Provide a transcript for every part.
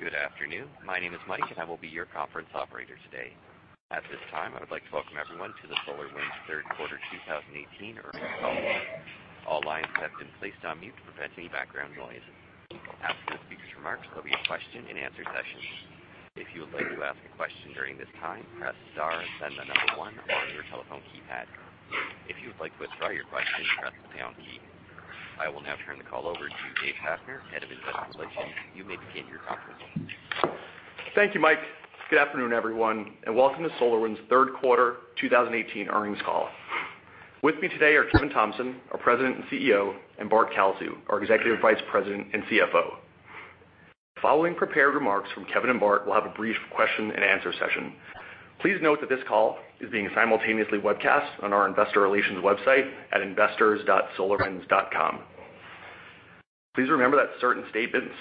Good afternoon. My name is Mike, and I will be your conference operator today. At this time, I would like to welcome everyone to the SolarWinds third quarter 2018 earnings call. All lines have been placed on mute to prevent any background noise. After the speaker's remarks, there'll be a question-and-answer session. If you would like to ask a question during this time, press star, then the number 1 on your telephone keypad. If you would like to withdraw your question, press the pound key. I will now turn the call over to Dave Hafner, Head of Investor Relations. You may begin your conference. Thank you, Mike. Good afternoon, everyone, and welcome to SolarWinds' third quarter 2018 earnings call. With me today are Kevin Thompson, our President and CEO, and Bart Kalsu, our Executive Vice President and CFO. Following prepared remarks from Kevin and Bart, we'll have a brief question-and-answer session. Please note that this call is being simultaneously webcast on our investor relations website at investors.solarwinds.com. Please remember that certain statements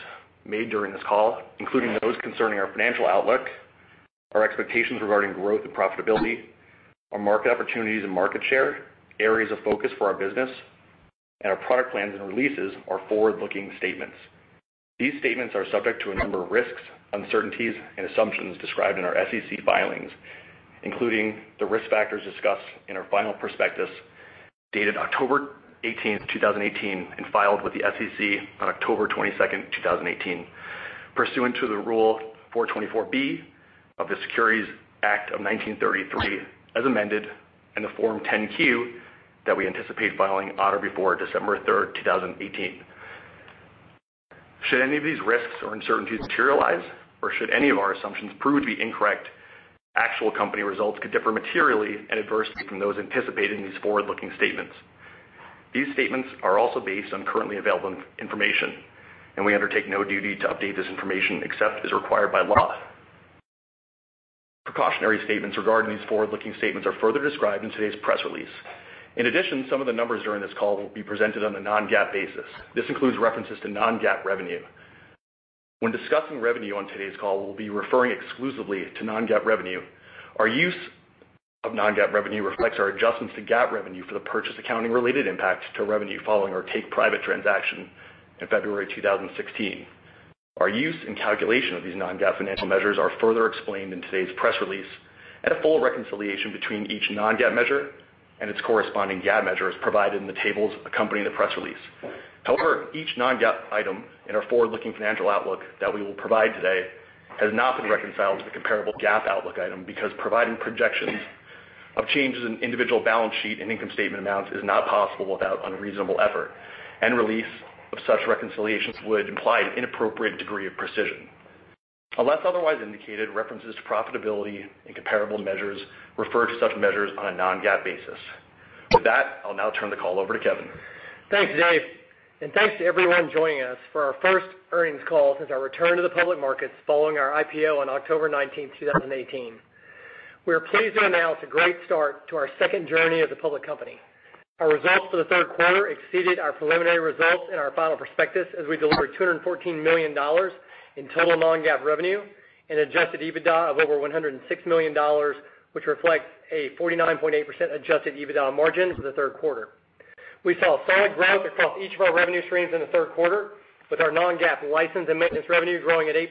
made during this call, including those concerning our financial outlook, our expectations regarding growth and profitability, our market opportunities and market share, areas of focus for our business, and our product plans and releases, are forward-looking statements. These statements are subject to a number of risks, uncertainties, and assumptions described in our SEC filings, including the risk factors discussed in our final prospectus dated October 18th, 2018, and filed with the SEC on October 22nd, 2018 pursuant to the Rule 424 of the Securities Act of 1933, as amended, and the Form 10-Q that we anticipate filing on or before December 3rd, 2018. Should any of these risks or uncertainties materialize, or should any of our assumptions prove to be incorrect, actual company results could differ materially and adversely from those anticipated in these forward-looking statements. These statements are also based on currently available information, and we undertake no duty to update this information except as required by law. Precautionary statements regarding these forward-looking statements are further described in today's press release. In addition, some of the numbers during this call will be presented on a non-GAAP basis. This includes references to non-GAAP revenue. When discussing revenue on today's call, we'll be referring exclusively to non-GAAP revenue. Our use of non-GAAP revenue reflects our adjustments to GAAP revenue for the purchase accounting-related impact to revenue following our take-private transaction in February 2016. Our use and calculation of these non-GAAP financial measures are further explained in today's press release at a full reconciliation between each non-GAAP measure and its corresponding GAAP measure is provided in the tables accompanying the press release. However, each non-GAAP item in our forward-looking financial outlook that we will provide today has not been reconciled to the comparable GAAP outlook item because providing projections of changes in individual balance sheet and income statement amounts is not possible without unreasonable effort, and release of such reconciliations would imply an inappropriate degree of precision. Unless otherwise indicated, references to profitability and comparable measures refer to such measures on a non-GAAP basis. With that, I'll now turn the call over to Kevin. Thanks, Dave. Thanks to everyone joining us for our first earnings call since our return to the public markets following our IPO on October 19th, 2018. We are pleased to announce a great start to our second journey as a public company. Our results for the third quarter exceeded our preliminary results in our final prospectus as we delivered $214 million in total non-GAAP revenue and adjusted EBITDA of over $106 million, which reflects a 49.8% adjusted EBITDA margin for the third quarter. We saw solid growth across each of our revenue streams in the third quarter, with our non-GAAP license and maintenance revenue growing at 8%,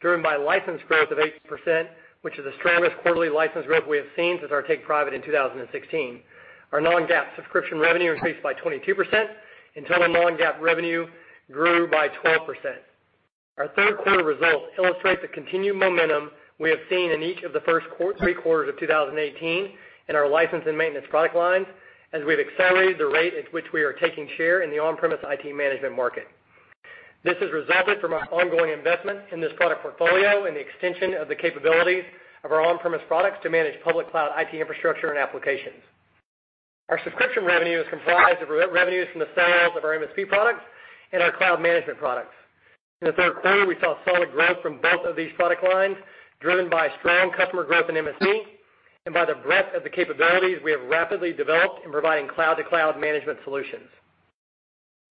driven by license growth of 8%, which is the strongest quarterly license growth we have seen since our take private in 2016. Our non-GAAP subscription revenue increased by 22%, total non-GAAP revenue grew by 12%. Our third quarter results illustrate the continued momentum we have seen in each of the first three quarters of 2018 in our license and maintenance product lines, as we've accelerated the rate at which we are taking share in the on-premise IT management market. This has resulted from our ongoing investment in this product portfolio and the extension of the capabilities of our on-premise products to manage public cloud IT infrastructure and applications. Our subscription revenue is comprised of revenues from the sales of our MSP products and our cloud management products. In the third quarter, we saw solid growth from both of these product lines, driven by strong customer growth in MSP and by the breadth of the capabilities we have rapidly developed in providing cloud-to-cloud management solutions.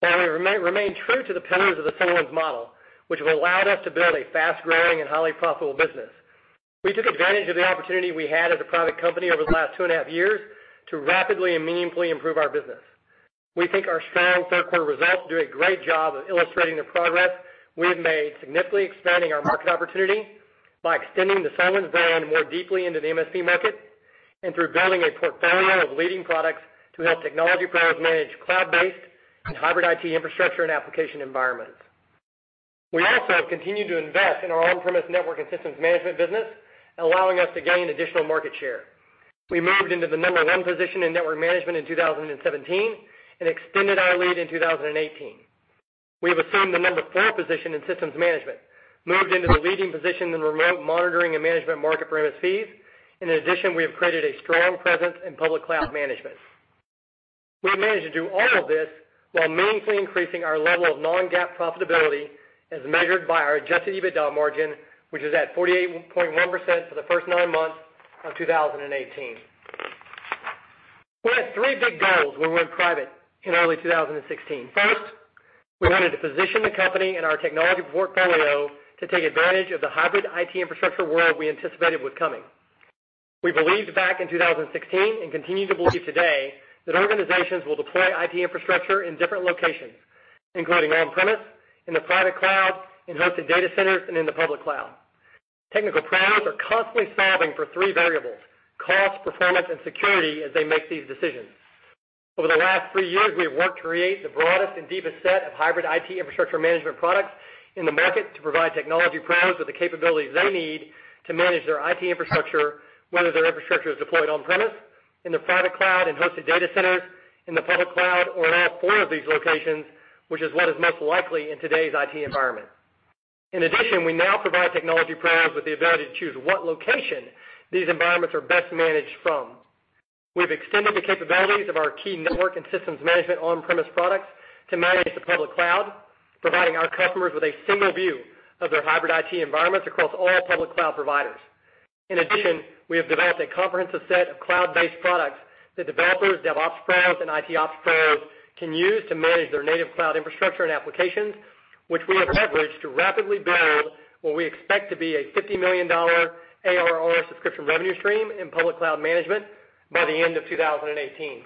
While we remain true to the pillars of the SolarWinds model, which have allowed us to build a fast-growing and highly profitable business, we took advantage of the opportunity we had as a private company over the last two and a half years to rapidly and meaningfully improve our business. We think our strong third quarter results do a great job of illustrating the progress we have made significantly expanding our market opportunity by extending the SolarWinds brand more deeply into the MSP market and through building a portfolio of leading products to help technology pros manage cloud-based and hybrid IT infrastructure and application environments. We also have continued to invest in our on-premise network and systems management business, allowing us to gain additional market share. We moved into the number one position in network management in 2017 and extended our lead in 2018. We have assumed the number 4 position in systems management, moved into the leading position in remote monitoring and management market for MSPs, and in addition, we have created a strong presence in public cloud management. We have managed to do all of this while meaningfully increasing our level of non-GAAP profitability as measured by our adjusted EBITDA margin, which is at 48.1% for the first nine months of 2018. We had three big goals when we went private in early 2016. First, we wanted to position the company and our technology portfolio to take advantage of the hybrid IT infrastructure world we anticipated was coming. We believed back in 2016, and continue to believe today, that organizations will deploy IT infrastructure in different locations, including on-premise, in the private cloud, in hosted data centers, and in the public cloud. Technical pros are constantly solving for three variables: cost, performance, and security as they make these decisions. Over the last three years, we have worked to create the broadest and deepest set of hybrid IT infrastructure management products in the market to provide technology pros with the capabilities they need to manage their IT infrastructure, whether their infrastructure is deployed on-premise, in the private cloud, in hosted data centers, in the public cloud, or in all four of these locations, which is what is most likely in today's IT environment. In addition, we now provide technology pros with the ability to choose what location these environments are best managed from. We've extended the capabilities of our key network and systems management on-premise products to manage the public cloud, providing our customers with a single view of their hybrid IT environments across all public cloud providers. In addition, we have developed a comprehensive set of cloud-based products that developers, DevOps pros, and ITOps pros can use to manage their native cloud infrastructure and applications, which we have leveraged to rapidly build what we expect to be a $50 million ARR subscription revenue stream in public cloud management by the end of 2018.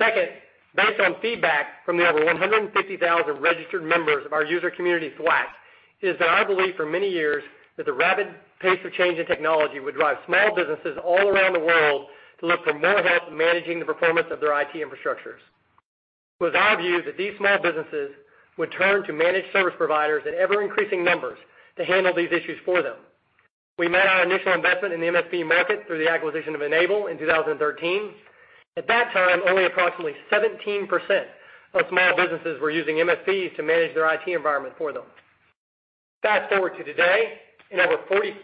Second, based on feedback from the over 150,000 registered members of our user community THWACK, it is our belief for many years that the rapid pace of change in technology would drive small businesses all around the world to look for more help in managing the performance of their IT infrastructures. It was our view that these small businesses would turn to managed service providers in ever-increasing numbers to handle these issues for them. We made our initial investment in the MSP market through the acquisition of N-able in 2013. At that time, only approximately 17% of small businesses were using MSPs to manage their IT environment for them. Fast-forward to today, and over 45%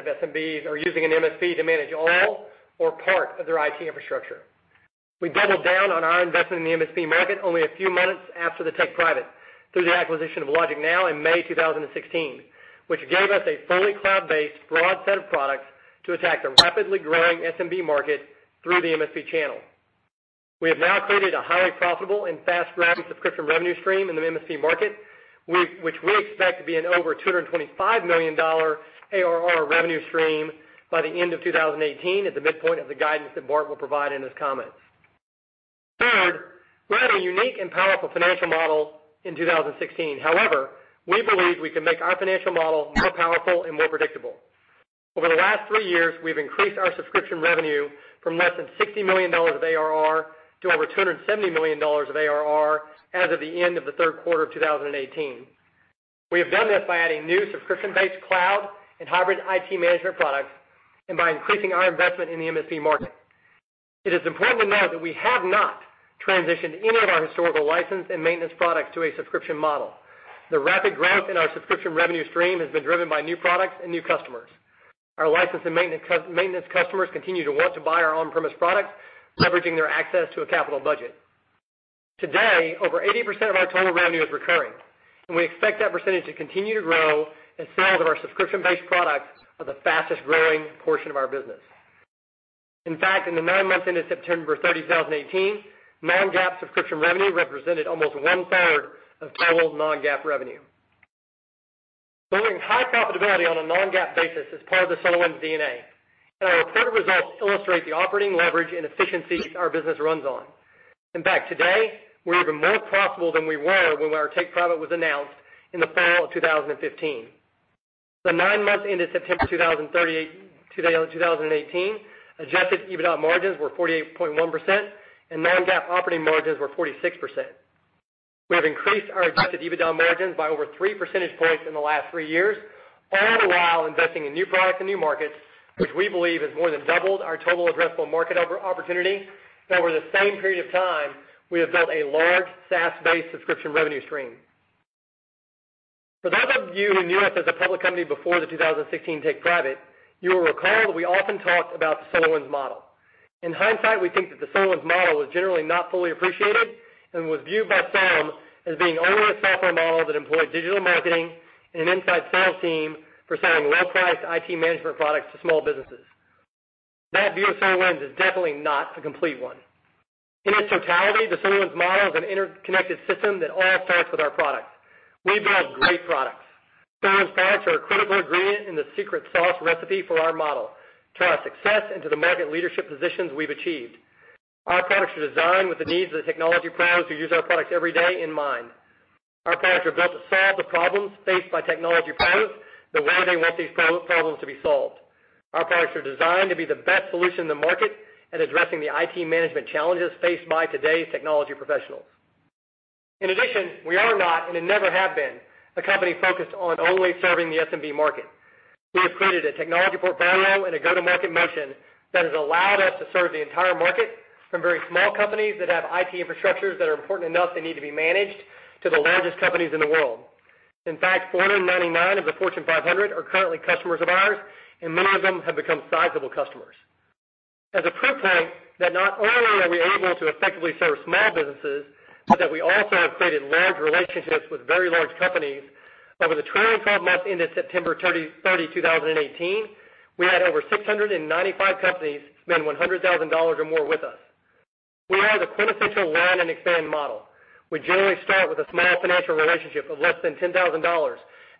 of SMBs are using an MSP to manage all or part of their IT infrastructure. We doubled down on our investment in the MSP market only a few months after the take private, through the acquisition of LogicNow in May 2016, which gave us a fully cloud-based broad set of products to attack the rapidly growing SMB market through the MSP channel. We have now created a highly profitable and fast-growing subscription revenue stream in the MSP market, which we expect to be an over $225 million ARR revenue stream by the end of 2018 at the midpoint of the guidance that Bart will provide in his comments. Third, we had a unique and powerful financial model in 2016. We believed we could make our financial model more powerful and more predictable. Over the last three years, we've increased our subscription revenue from less than $60 million of ARR to over $270 million of ARR as of the end of the third quarter of 2018. We have done this by adding new subscription-based cloud and hybrid IT management products and by increasing our investment in the MSP market. It is important to note that we have not transitioned any of our historical license and maintenance products to a subscription model. The rapid growth in our subscription revenue stream has been driven by new products and new customers. Our license and maintenance customers continue to want to buy our on-premise products, leveraging their access to a capital budget. Today, over 80% of our total revenue is recurring, and we expect that percentage to continue to grow as sales of our subscription-based products are the fastest-growing portion of our business. In fact, in the nine months ended September 30, 2018, non-GAAP subscription revenue represented almost one-third of total non-GAAP revenue. Building high profitability on a non-GAAP basis is part of the SolarWinds DNA, and our reported results illustrate the operating leverage and efficiency our business runs on. In fact, today, we're even more profitable than we were when our take private was announced in the fall of 2015. The nine months ended September 2018, adjusted EBITDA margins were 48.1%, and non-GAAP operating margins were 46%. We have increased our adjusted EBITDA margins by over three percentage points in the last three years, all the while investing in new products and new markets, which we believe has more than doubled our total addressable market opportunity. Over the same period of time, we have built a large SaaS-based subscription revenue stream. For those of you who knew us as a public company before the 2016 take private, you will recall that we often talked about the SolarWinds model. In hindsight, we think that the SolarWinds model was generally not fully appreciated and was viewed by some as being only a software model that employed digital marketing and an inside sales team for selling well-priced IT management products to small businesses. That view of SolarWinds is definitely not the complete one. In its totality, the SolarWinds model is an interconnected system that all starts with our products. We build great products. SolarWinds products are a critical ingredient in the secret sauce recipe for our model, to our success and to the market leadership positions we've achieved. Our products are designed with the needs of the technology pros who use our products every day in mind. Our products are built to solve the problems faced by technology pros, the way they want these problems to be solved. Our products are designed to be the best solution in the market at addressing the IT management challenges faced by today's technology professionals. In addition, we are not, and have never have been, a company focused on only serving the SMB market. We have created a technology portfolio and a go-to-market motion that has allowed us to serve the entire market, from very small companies that have IT infrastructures that are important enough they need to be managed, to the largest companies in the world. In fact, 499 of the Fortune 500 are currently customers of ours, and many of them have become sizable customers. As a proof point that not only are we able to effectively serve small businesses, but that we also have created large relationships with very large companies, over the 12 months ended September 30, 2018, we had over 695 companies spend $100,000 or more with us. We are the quintessential land and expand model. We generally start with a small financial relationship of less than $10,000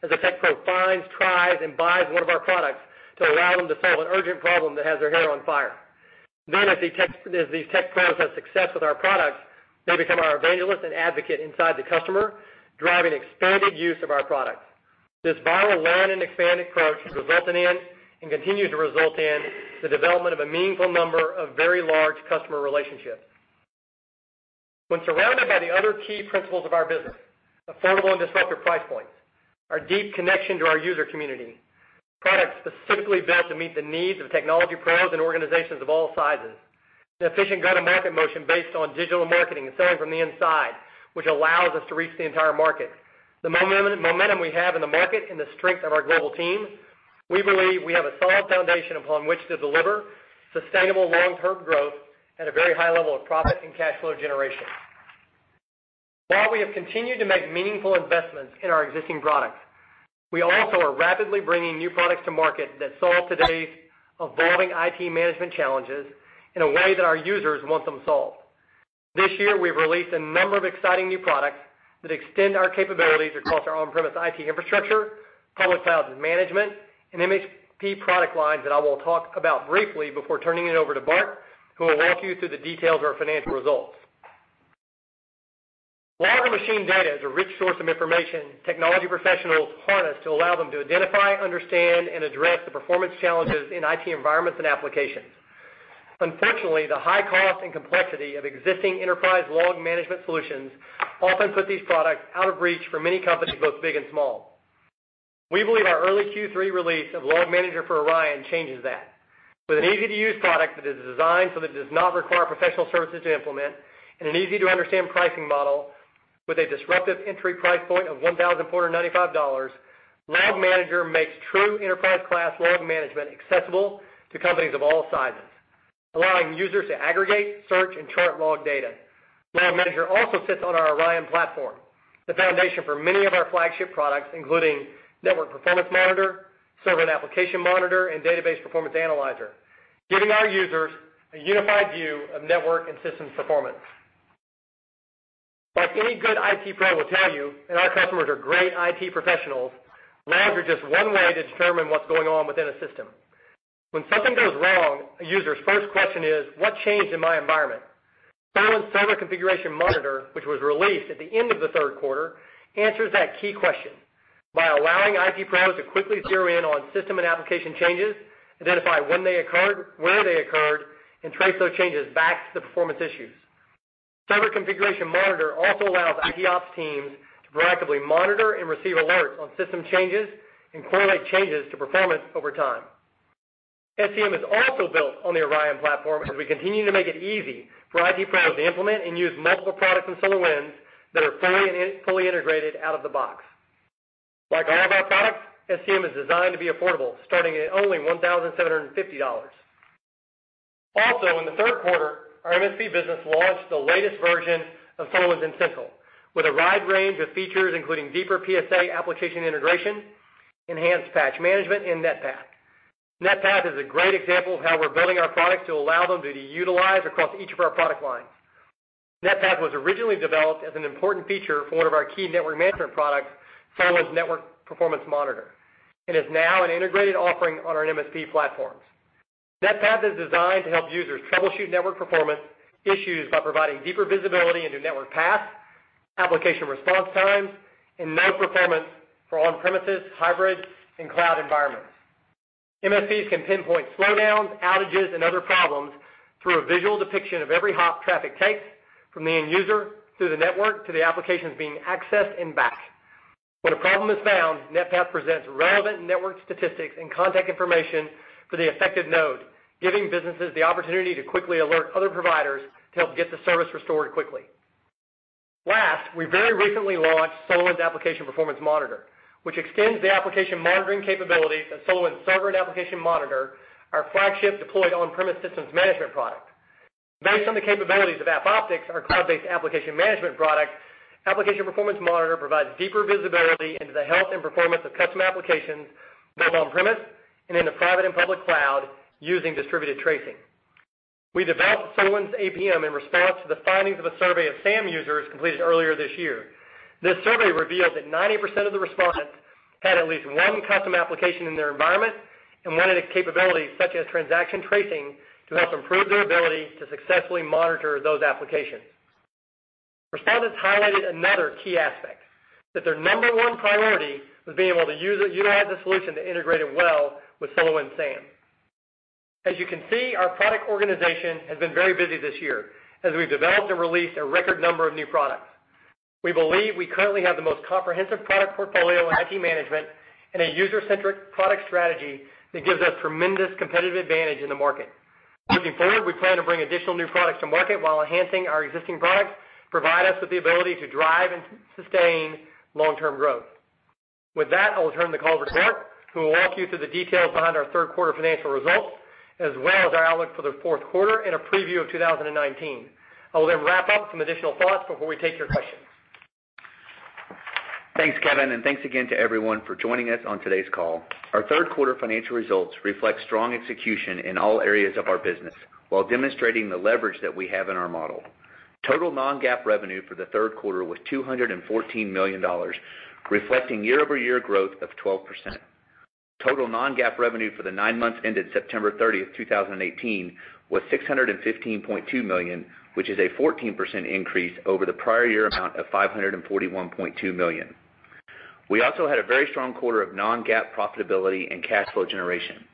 as a tech pro finds, tries, and buys one of our products to allow them to solve an urgent problem that has their hair on fire. As these tech pros have success with our products, they become our evangelist and advocate inside the customer, driving expanded use of our product. This viral land and expanded approach resulted in, and continues to result in the development of a meaningful number of very large customer relationships. When surrounded by the other key principles of our business, affordable and disruptive price points, our deep connection to our user community, products specifically built to meet the needs of technology pros and organizations of all sizes, an efficient go-to-market motion based on digital marketing and selling from the inside, which allows us to reach the entire market, the momentum we have in the market, and the strength of our global team, we believe we have a solid foundation upon which to deliver sustainable long-term growth at a very high level of profit and cash flow generation. While we have continued to make meaningful investments in our existing products, we also are rapidly bringing new products to market that solve today's evolving IT management challenges in a way that our users want them solved. This year, we've released a number of exciting new products that extend our capabilities across our on-premise IT infrastructure, public cloud management, and MSP product lines that I will talk about briefly before turning it over to Bart, who will walk you through the details of our financial results. Log and machine data is a rich source of information technology professionals harness to allow them to identify, understand, and address the performance challenges in IT environments and applications. Unfortunately, the high cost and complexity of existing enterprise log management solutions often put these products out of reach for many companies, both big and small. We believe our early Q3 release of Log Manager for Orion changes that. With an easy-to-use product that is designed so that it does not require professional services to implement, and an easy-to-understand pricing model with a disruptive entry price point of $1,495, Log Manager makes true enterprise-class log management accessible to companies of all sizes, allowing users to aggregate, search, and chart log data. Log Manager also sits on our Orion Platform, the foundation for many of our flagship products, including Network Performance Monitor, Server & Application Monitor, and Database Performance Analyzer, giving our users a unified view of network and system performance. Like any good IT pro will tell you, and our customers are great IT professionals, logs are just one way to determine what's going on within a system. When something goes wrong, a user's first question is, what changed in my environment? SolarWinds Server Configuration Monitor, which was released at the end of the third quarter, answers that key question by allowing IT pros to quickly zero in on system and application changes, identify when they occurred, where they occurred, and trace those changes back to the performance issues. Server Configuration Monitor also allows ITOps teams to proactively monitor and receive alerts on system changes and correlate changes to performance over time. SCM is also built on the Orion Platform as we continue to make it easy for IT pros to implement and use multiple products from SolarWinds that are fully integrated out of the box. Like all of our products, SCM is designed to be affordable, starting at only $1,750. In the third quarter, our MSP business launched the latest version of SolarWinds N-central, with a wide range of features, including deeper PSA application integration, enhanced patch management, and NetPath. NetPath is a great example of how we're building our products to allow them to be utilized across each of our product lines. NetPath was originally developed as an important feature for one of our key network management products, SolarWinds Network Performance Monitor, and is now an integrated offering on our MSP platforms. NetPath is designed to help users troubleshoot network performance issues by providing deeper visibility into network paths, application response times, and node performance for on-premises, hybrid, and cloud environments. MSPs can pinpoint slowdowns, outages, and other problems through a visual depiction of every hop traffic takes from the end user through the network to the applications being accessed and back. When a problem is found, NetPath presents relevant network statistics and contact information for the affected node, giving businesses the opportunity to quickly alert other providers to help get the service restored quickly. Last, we very recently launched SolarWinds Application Performance Monitor, which extends the application monitoring capabilities of SolarWinds Server & Application Monitor, our flagship deployed on-premise systems management product. Based on the capabilities of AppOptics, our cloud-based application management product, Application Performance Monitor provides deeper visibility into the health and performance of custom applications built on-premise and in the private and public cloud using distributed tracing. We developed SolarWinds APM in response to the findings of a survey of SAM users completed earlier this year. This survey revealed that 90% of the respondents had at least one custom application in their environment and wanted its capabilities, such as transaction tracing, to help improve their ability to successfully monitor those applications. Respondents highlighted another key aspect, that their number one priority was being able to utilize the solution to integrate it well with SolarWinds SAM. As you can see, our product organization has been very busy this year as we've developed and released a record number of new products. We believe we currently have the most comprehensive product portfolio in IT management and a user-centric product strategy that gives us tremendous competitive advantage in the market. Looking forward, we plan to bring additional new products to market while enhancing our existing products, provide us with the ability to drive and sustain long-term growth. With that, I will turn the call to Bart, who will walk you through the details behind our third quarter financial results, as well as our outlook for the fourth quarter and a preview of 2019. I will then wrap up some additional thoughts before we take your questions. Thanks, Kevin, and thanks again to everyone for joining us on today's call. Our third quarter financial results reflect strong execution in all areas of our business while demonstrating the leverage that we have in our model. Total non-GAAP revenue for the third quarter was $214 million, reflecting year-over-year growth of 12%. Total non-GAAP revenue for the nine months ended September 30th, 2018 was $615.2 million, which is a 14% increase over the prior year amount of $541.2 million. We also had a very strong quarter of non-GAAP profitability and cash flow generation.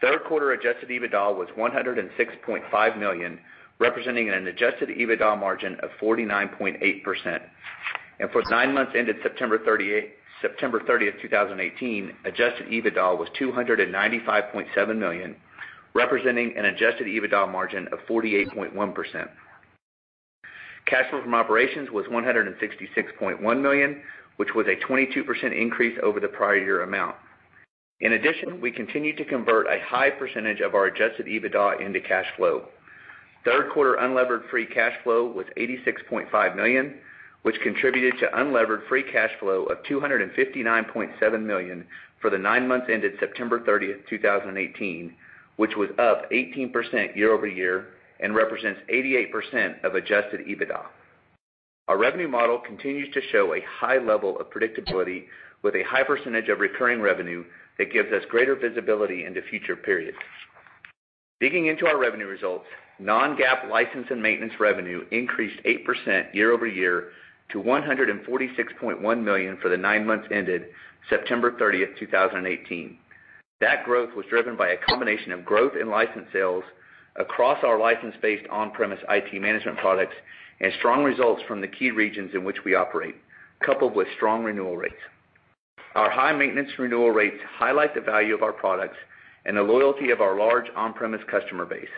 Third quarter adjusted EBITDA was $106.5 million, representing an adjusted EBITDA margin of 49.8%. For the nine months ended September 30th, 2018, adjusted EBITDA was $295.7 million, representing an adjusted EBITDA margin of 48.1%. Cash flow from operations was $166.1 million, which was a 22% increase over the prior year amount. In addition, we continued to convert a high percentage of our adjusted EBITDA into cash flow. Third quarter unlevered free cash flow was $86.5 million, which contributed to unlevered free cash flow of $259.7 million for the nine months ended September 30th, 2018, which was up 18% year-over-year and represents 88% of adjusted EBITDA. Our revenue model continues to show a high level of predictability with a high percentage of recurring revenue that gives us greater visibility into future periods. Digging into our revenue results, non-GAAP license and maintenance revenue increased 8% year-over-year to $146.1 million for the nine months ended September 30th, 2018. That growth was driven by a combination of growth in license sales across our license-based on-premise IT management products and strong results from the key regions in which we operate, coupled with strong renewal rates. Our high maintenance renewal rates highlight the value of our products and the loyalty of our large on-premise customer base.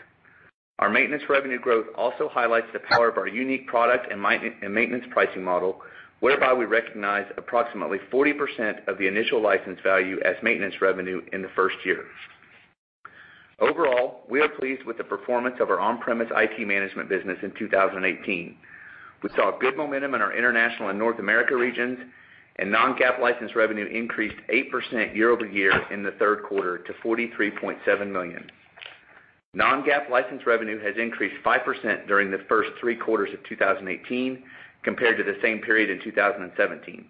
Our maintenance revenue growth also highlights the power of our unique product and maintenance pricing model, whereby we recognize approximately 40% of the initial license value as maintenance revenue in the first year. Overall, we are pleased with the performance of our on-premise IT management business in 2018. We saw good momentum in our international and North America regions, and non-GAAP license revenue increased 8% year-over-year in the third quarter to $43.7 million. Non-GAAP license revenue has increased 5% during the first three quarters of 2018 compared to the same period in 2017.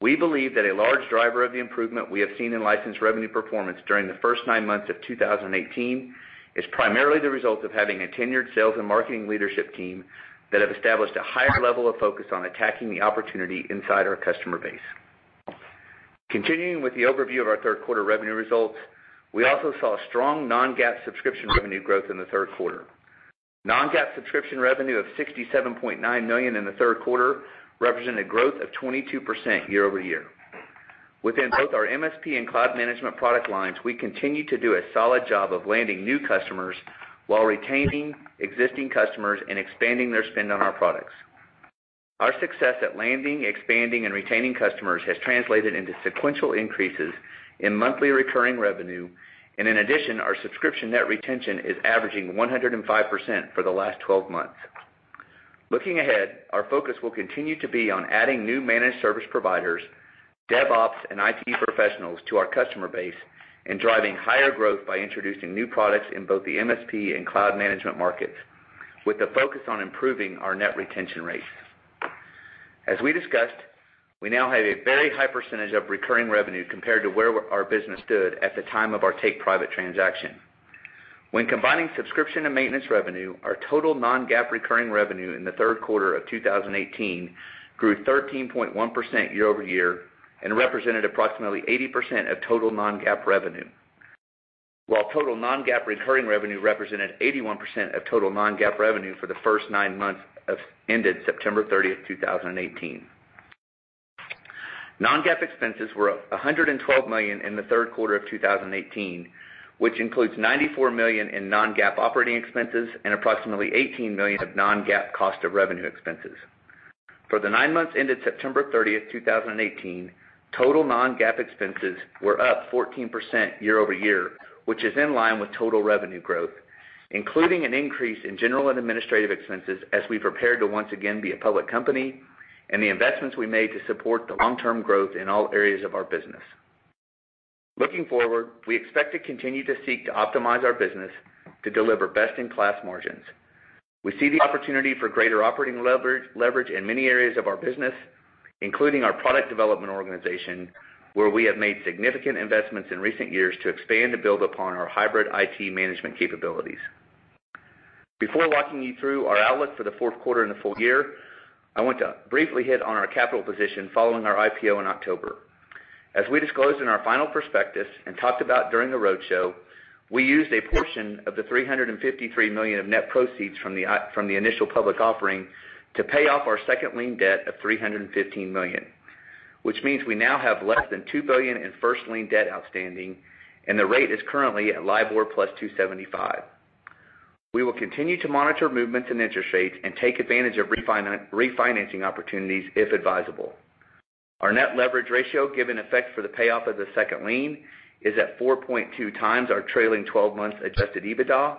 We believe that a large driver of the improvement we have seen in license revenue performance during the first nine months of 2018 is primarily the result of having a tenured sales and marketing leadership team that have established a higher level of focus on attacking the opportunity inside our customer base. Continuing with the overview of our third quarter revenue results, we also saw strong non-GAAP subscription revenue growth in the third quarter. Non-GAAP subscription revenue of $67.9 million in the third quarter represented growth of 22% year-over-year. Within both our MSP and cloud management product lines, we continue to do a solid job of landing new customers while retaining existing customers and expanding their spend on our products. Our success at landing, expanding, and retaining customers has translated into sequential increases in monthly recurring revenue, and in addition, our subscription net retention is averaging 105% for the last 12 months. Looking ahead, our focus will continue to be on adding new managed service providers, DevOps, and IT professionals to our customer base and driving higher growth by introducing new products in both the MSP and cloud management markets, with the focus on improving our net retention rates. As we discussed, we now have a very high percentage of recurring revenue compared to where our business stood at the time of our take-private transaction. When combining subscription and maintenance revenue, our total non-GAAP recurring revenue in the third quarter of 2018 grew 13.1% year-over-year and represented approximately 80% of total non-GAAP revenue. While total non-GAAP recurring revenue represented 81% of total non-GAAP revenue for the first nine months ended September 30th, 2018. Non-GAAP expenses were up $112 million in the third quarter of 2018, which includes $94 million in non-GAAP operating expenses and approximately $18 million of non-GAAP cost of revenue expenses. For the nine months ended September 30th, 2018, total non-GAAP expenses were up 14% year-over-year, which is in line with total revenue growth, including an increase in general and administrative expenses as we prepared to once again be a public company and the investments we made to support the long-term growth in all areas of our business. Looking forward, we expect to continue to seek to optimize our business to deliver best-in-class margins. We see the opportunity for greater operating leverage in many areas of our business, including our product development organization, where we have made significant investments in recent years to expand and build upon our hybrid IT management capabilities. Before walking you through our outlook for the fourth quarter and the full year, I want to briefly hit on our capital position following our IPO in October. As we disclosed in our final prospectus and talked about during the roadshow, we used a portion of the $353 million of net proceeds from the initial public offering to pay off our second lien debt of $315 million, which means we now have less than $2 billion in first lien debt outstanding, and the rate is currently at LIBOR plus 275. We will continue to monitor movements in interest rates and take advantage of refinancing opportunities if advisable. Our net leverage ratio given effect for the payoff of the second lien is at 4.2 times our trailing 12 months adjusted EBITDA.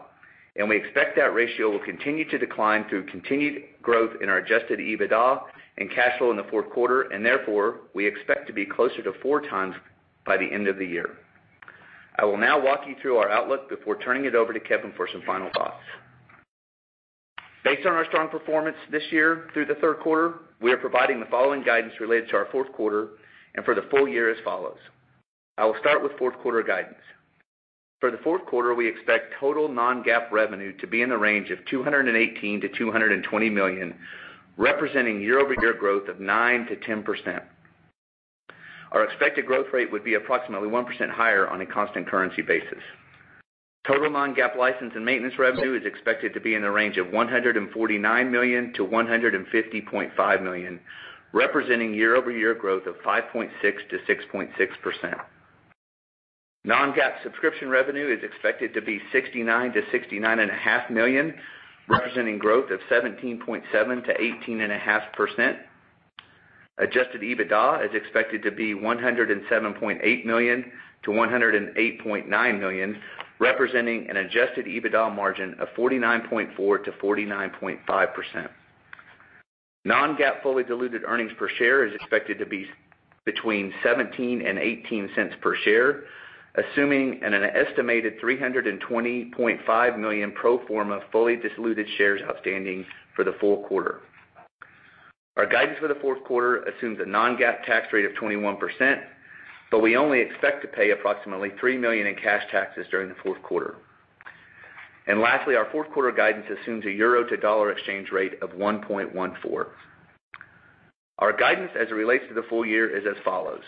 We expect that ratio will continue to decline through continued growth in our adjusted EBITDA and cash flow in the fourth quarter, therefore, we expect to be closer to 4 times by the end of the year. I will now walk you through our outlook before turning it over to Kevin for some final thoughts. Based on our strong performance this year through the third quarter, we are providing the following guidance related to our fourth quarter and for the full year as follows. I will start with fourth quarter guidance. For the fourth quarter, we expect total non-GAAP revenue to be in the range of $218 million-$220 million, representing year-over-year growth of 9%-10%. Our expected growth rate would be approximately 1% higher on a constant currency basis. Total non-GAAP license and maintenance revenue is expected to be in the range of $149 million-$150.5 million, representing year-over-year growth of 5.6%-6.6%. Non-GAAP subscription revenue is expected to be $69 million-$69.5 million, representing growth of 17.7%-18.5%. Adjusted EBITDA is expected to be $107.8 million-$108.9 million, representing an adjusted EBITDA margin of 49.4%-49.5%. Non-GAAP fully diluted earnings per share is expected to be between $0.17 and $0.18 per share, assuming an estimated 320.5 million pro forma fully diluted shares outstanding for the full quarter. Our guidance for the fourth quarter assumes a non-GAAP tax rate of 21%, but we only expect to pay approximately $3 million in cash taxes during the fourth quarter. Lastly, our fourth quarter guidance assumes a euro to dollar exchange rate of 1.14. Our guidance as it relates to the full year is as follows.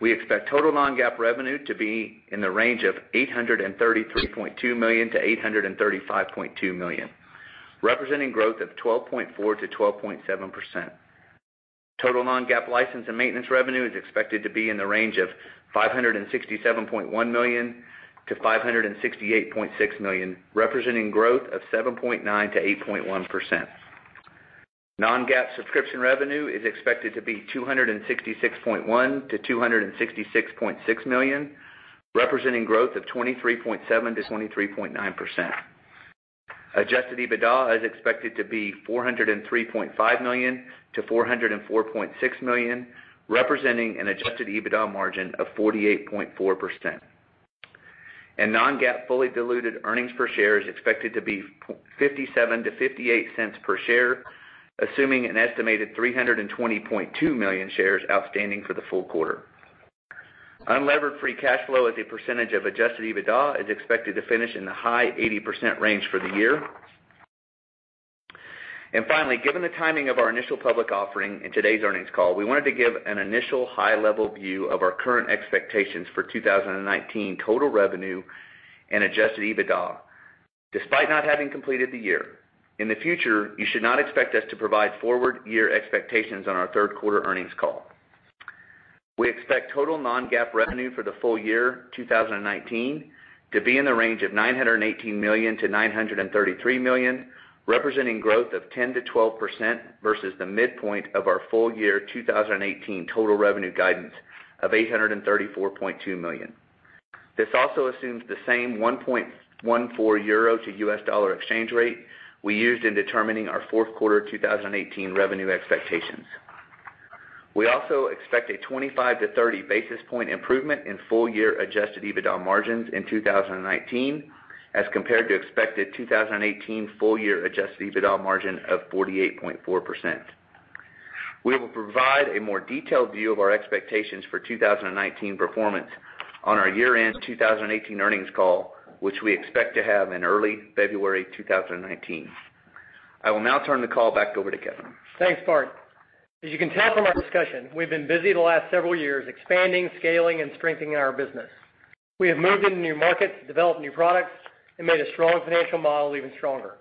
We expect total non-GAAP revenue to be in the range of $833.2 million-$835.2 million, representing growth of 12.4%-12.7%. Total non-GAAP license and maintenance revenue is expected to be in the range of $567.1 million-$568.6 million, representing growth of 7.9%-8.1%. Non-GAAP subscription revenue is expected to be $266.1 million-$266.6 million, representing growth of 23.7%-23.9%. Adjusted EBITDA is expected to be $403.5 million-$404.6 million, representing an adjusted EBITDA margin of 48.4%. Non-GAAP fully diluted earnings per share is expected to be $0.57 to $0.58 per share, assuming an estimated 320.2 million shares outstanding for the full quarter. Unlevered free cash flow as a percentage of adjusted EBITDA is expected to finish in the high 80% range for the year. Finally, given the timing of our initial public offering in today's earnings call, we wanted to give an initial high-level view of our current expectations for 2019 total revenue and adjusted EBITDA, despite not having completed the year. In the future, you should not expect us to provide forward-year expectations on our third quarter earnings call. We expect total non-GAAP revenue for the full year 2019 to be in the range of $918 million-$933 million, representing growth of 10%-12% versus the midpoint of our full year 2018 total revenue guidance of $834.2 million. This also assumes the same 1.14 euro to U.S. dollar exchange rate we used in determining our fourth quarter 2018 revenue expectations. We also expect a 25-30 basis point improvement in full year adjusted EBITDA margins in 2019 as compared to expected 2018 full year adjusted EBITDA margin of 48.4%. We will provide a more detailed view of our expectations for 2019 performance on our year-end 2018 earnings call, which we expect to have in early February 2019. I will now turn the call back over to Kevin. Thanks, Bart. As you can tell from our discussion, we've been busy the last several years expanding, scaling, and strengthening our business. We have moved into new markets, developed new products, and made a strong financial model even stronger.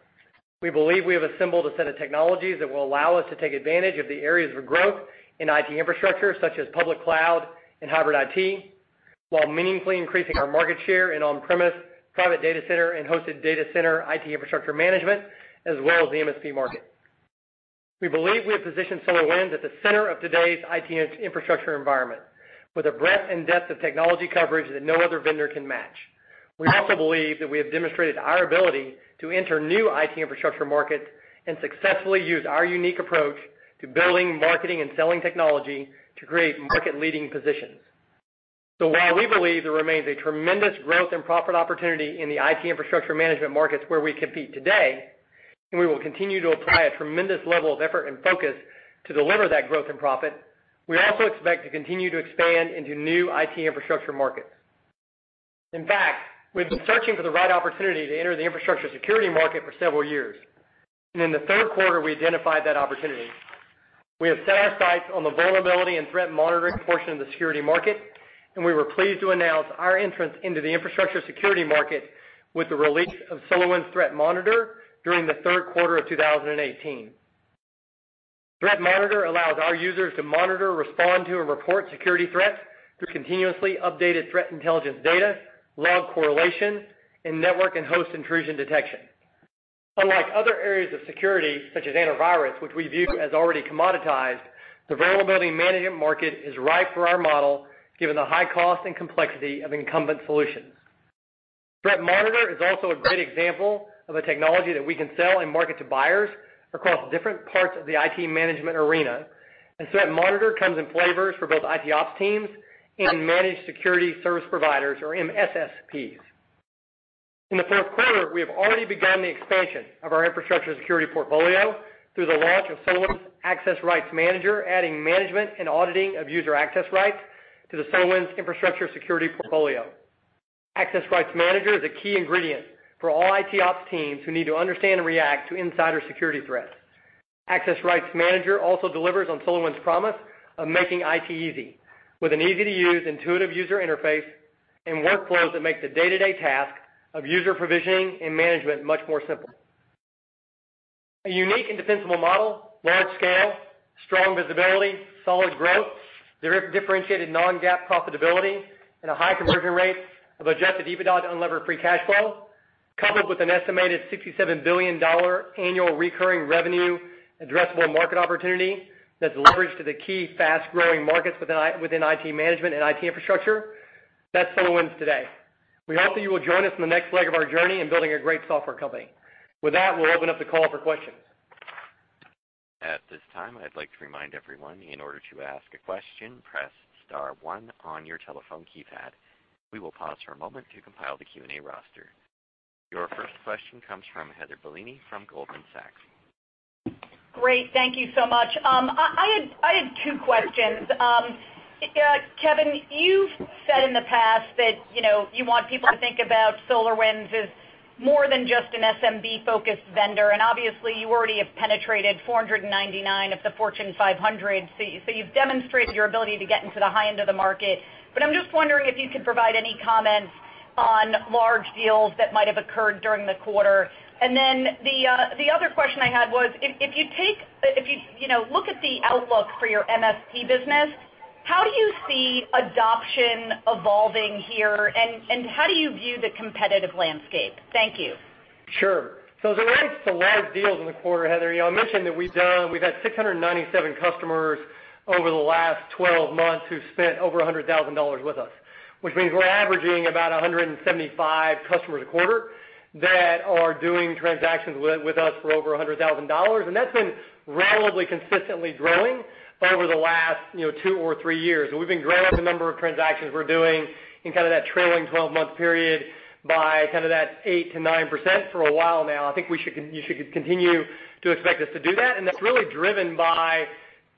We believe we have assembled a set of technologies that will allow us to take advantage of the areas of growth in IT infrastructure, such as public cloud and hybrid IT, while meaningfully increasing our market share and on-premise private data center and hosted data center IT infrastructure management, as well as the MSP market. We believe we have positioned SolarWinds at the center of today's IT infrastructure environment with a breadth and depth of technology coverage that no other vendor can match. We also believe that we have demonstrated our ability to enter new IT infrastructure markets and successfully use our unique approach to building, marketing, and selling technology to create market-leading positions. While we believe there remains a tremendous growth and profit opportunity in the IT infrastructure management markets where we compete today, and we will continue to apply a tremendous level of effort and focus to deliver that growth and profit, we also expect to continue to expand into new IT infrastructure markets. In fact, we've been searching for the right opportunity to enter the infrastructure security market for several years. In the third quarter, we identified that opportunity. We have set our sights on the vulnerability and threat monitoring portion of the security market. We were pleased to announce our entrance into the infrastructure security market with the release of SolarWinds Threat Monitor during the third quarter of 2018. Threat Monitor allows our users to monitor, respond to, and report security threats through continuously updated threat intelligence data, log correlation, and network and host intrusion detection. Unlike other areas of security, such as antivirus, which we view as already commoditized, the vulnerability management market is right for our model, given the high cost and complexity of incumbent solutions. Threat Monitor is also a great example of a technology that we can sell and market to buyers across different parts of the IT management arena. Threat Monitor comes in flavors for both ITOps teams and managed security service providers, or MSSPs. In the third quarter, we have already begun the expansion of our infrastructure security portfolio through the launch of SolarWinds Access Rights Manager, adding management and auditing of user access rights to the SolarWinds infrastructure security portfolio. Access Rights Manager is a key ingredient for all ITOps teams who need to understand and react to insider security threats. Access Rights Manager also delivers on SolarWinds' promise of making IT easy, with an easy-to-use intuitive user interface and workflows that make the day-to-day task of user provisioning and management much more simple. A unique and defensible model, large scale, strong visibility, solid growth, differentiated non-GAAP profitability and a high conversion rate of adjusted EBITDA to unlevered free cash flow, coupled with an estimated $67 billion annual recurring revenue addressable market opportunity that's leveraged to the key fast-growing markets within IT management and IT infrastructure. That's SolarWinds today. We hope that you will join us on the next leg of our journey in building a great software company. With that, we'll open up the call for questions. At this time, I'd like to remind everyone, in order to ask a question, press *1 on your telephone keypad. We will pause for a moment to compile the Q&A roster. Your first question comes from Heather Bellini from Goldman Sachs. Great. Thank you so much. I had two questions. Kevin, you've said in the past that you want people to think about SolarWinds as more than just an SMB-focused vendor. Obviously you already have penetrated 499 of the Fortune 500. You've demonstrated your ability to get into the high end of the market. I'm just wondering if you could provide any comments on large deals that might have occurred during the quarter. The other question I had was, if you look at the outlook for your MSP business, how do you see adoption evolving here, and how do you view the competitive landscape? Thank you. Sure. As it relates to large deals in the quarter, Heather, I mentioned that we've had 697 customers over the last 12 months who've spent over $100,000 with us, which means we're averaging about 175 customers a quarter that are doing transactions with us for over $100,000. That's been relatively consistently growing over the last two or three years. We've been growing the number of transactions we're doing in that trailing 12-month period by 8%-9% for a while now. I think you should continue to expect us to do that, and that's really driven by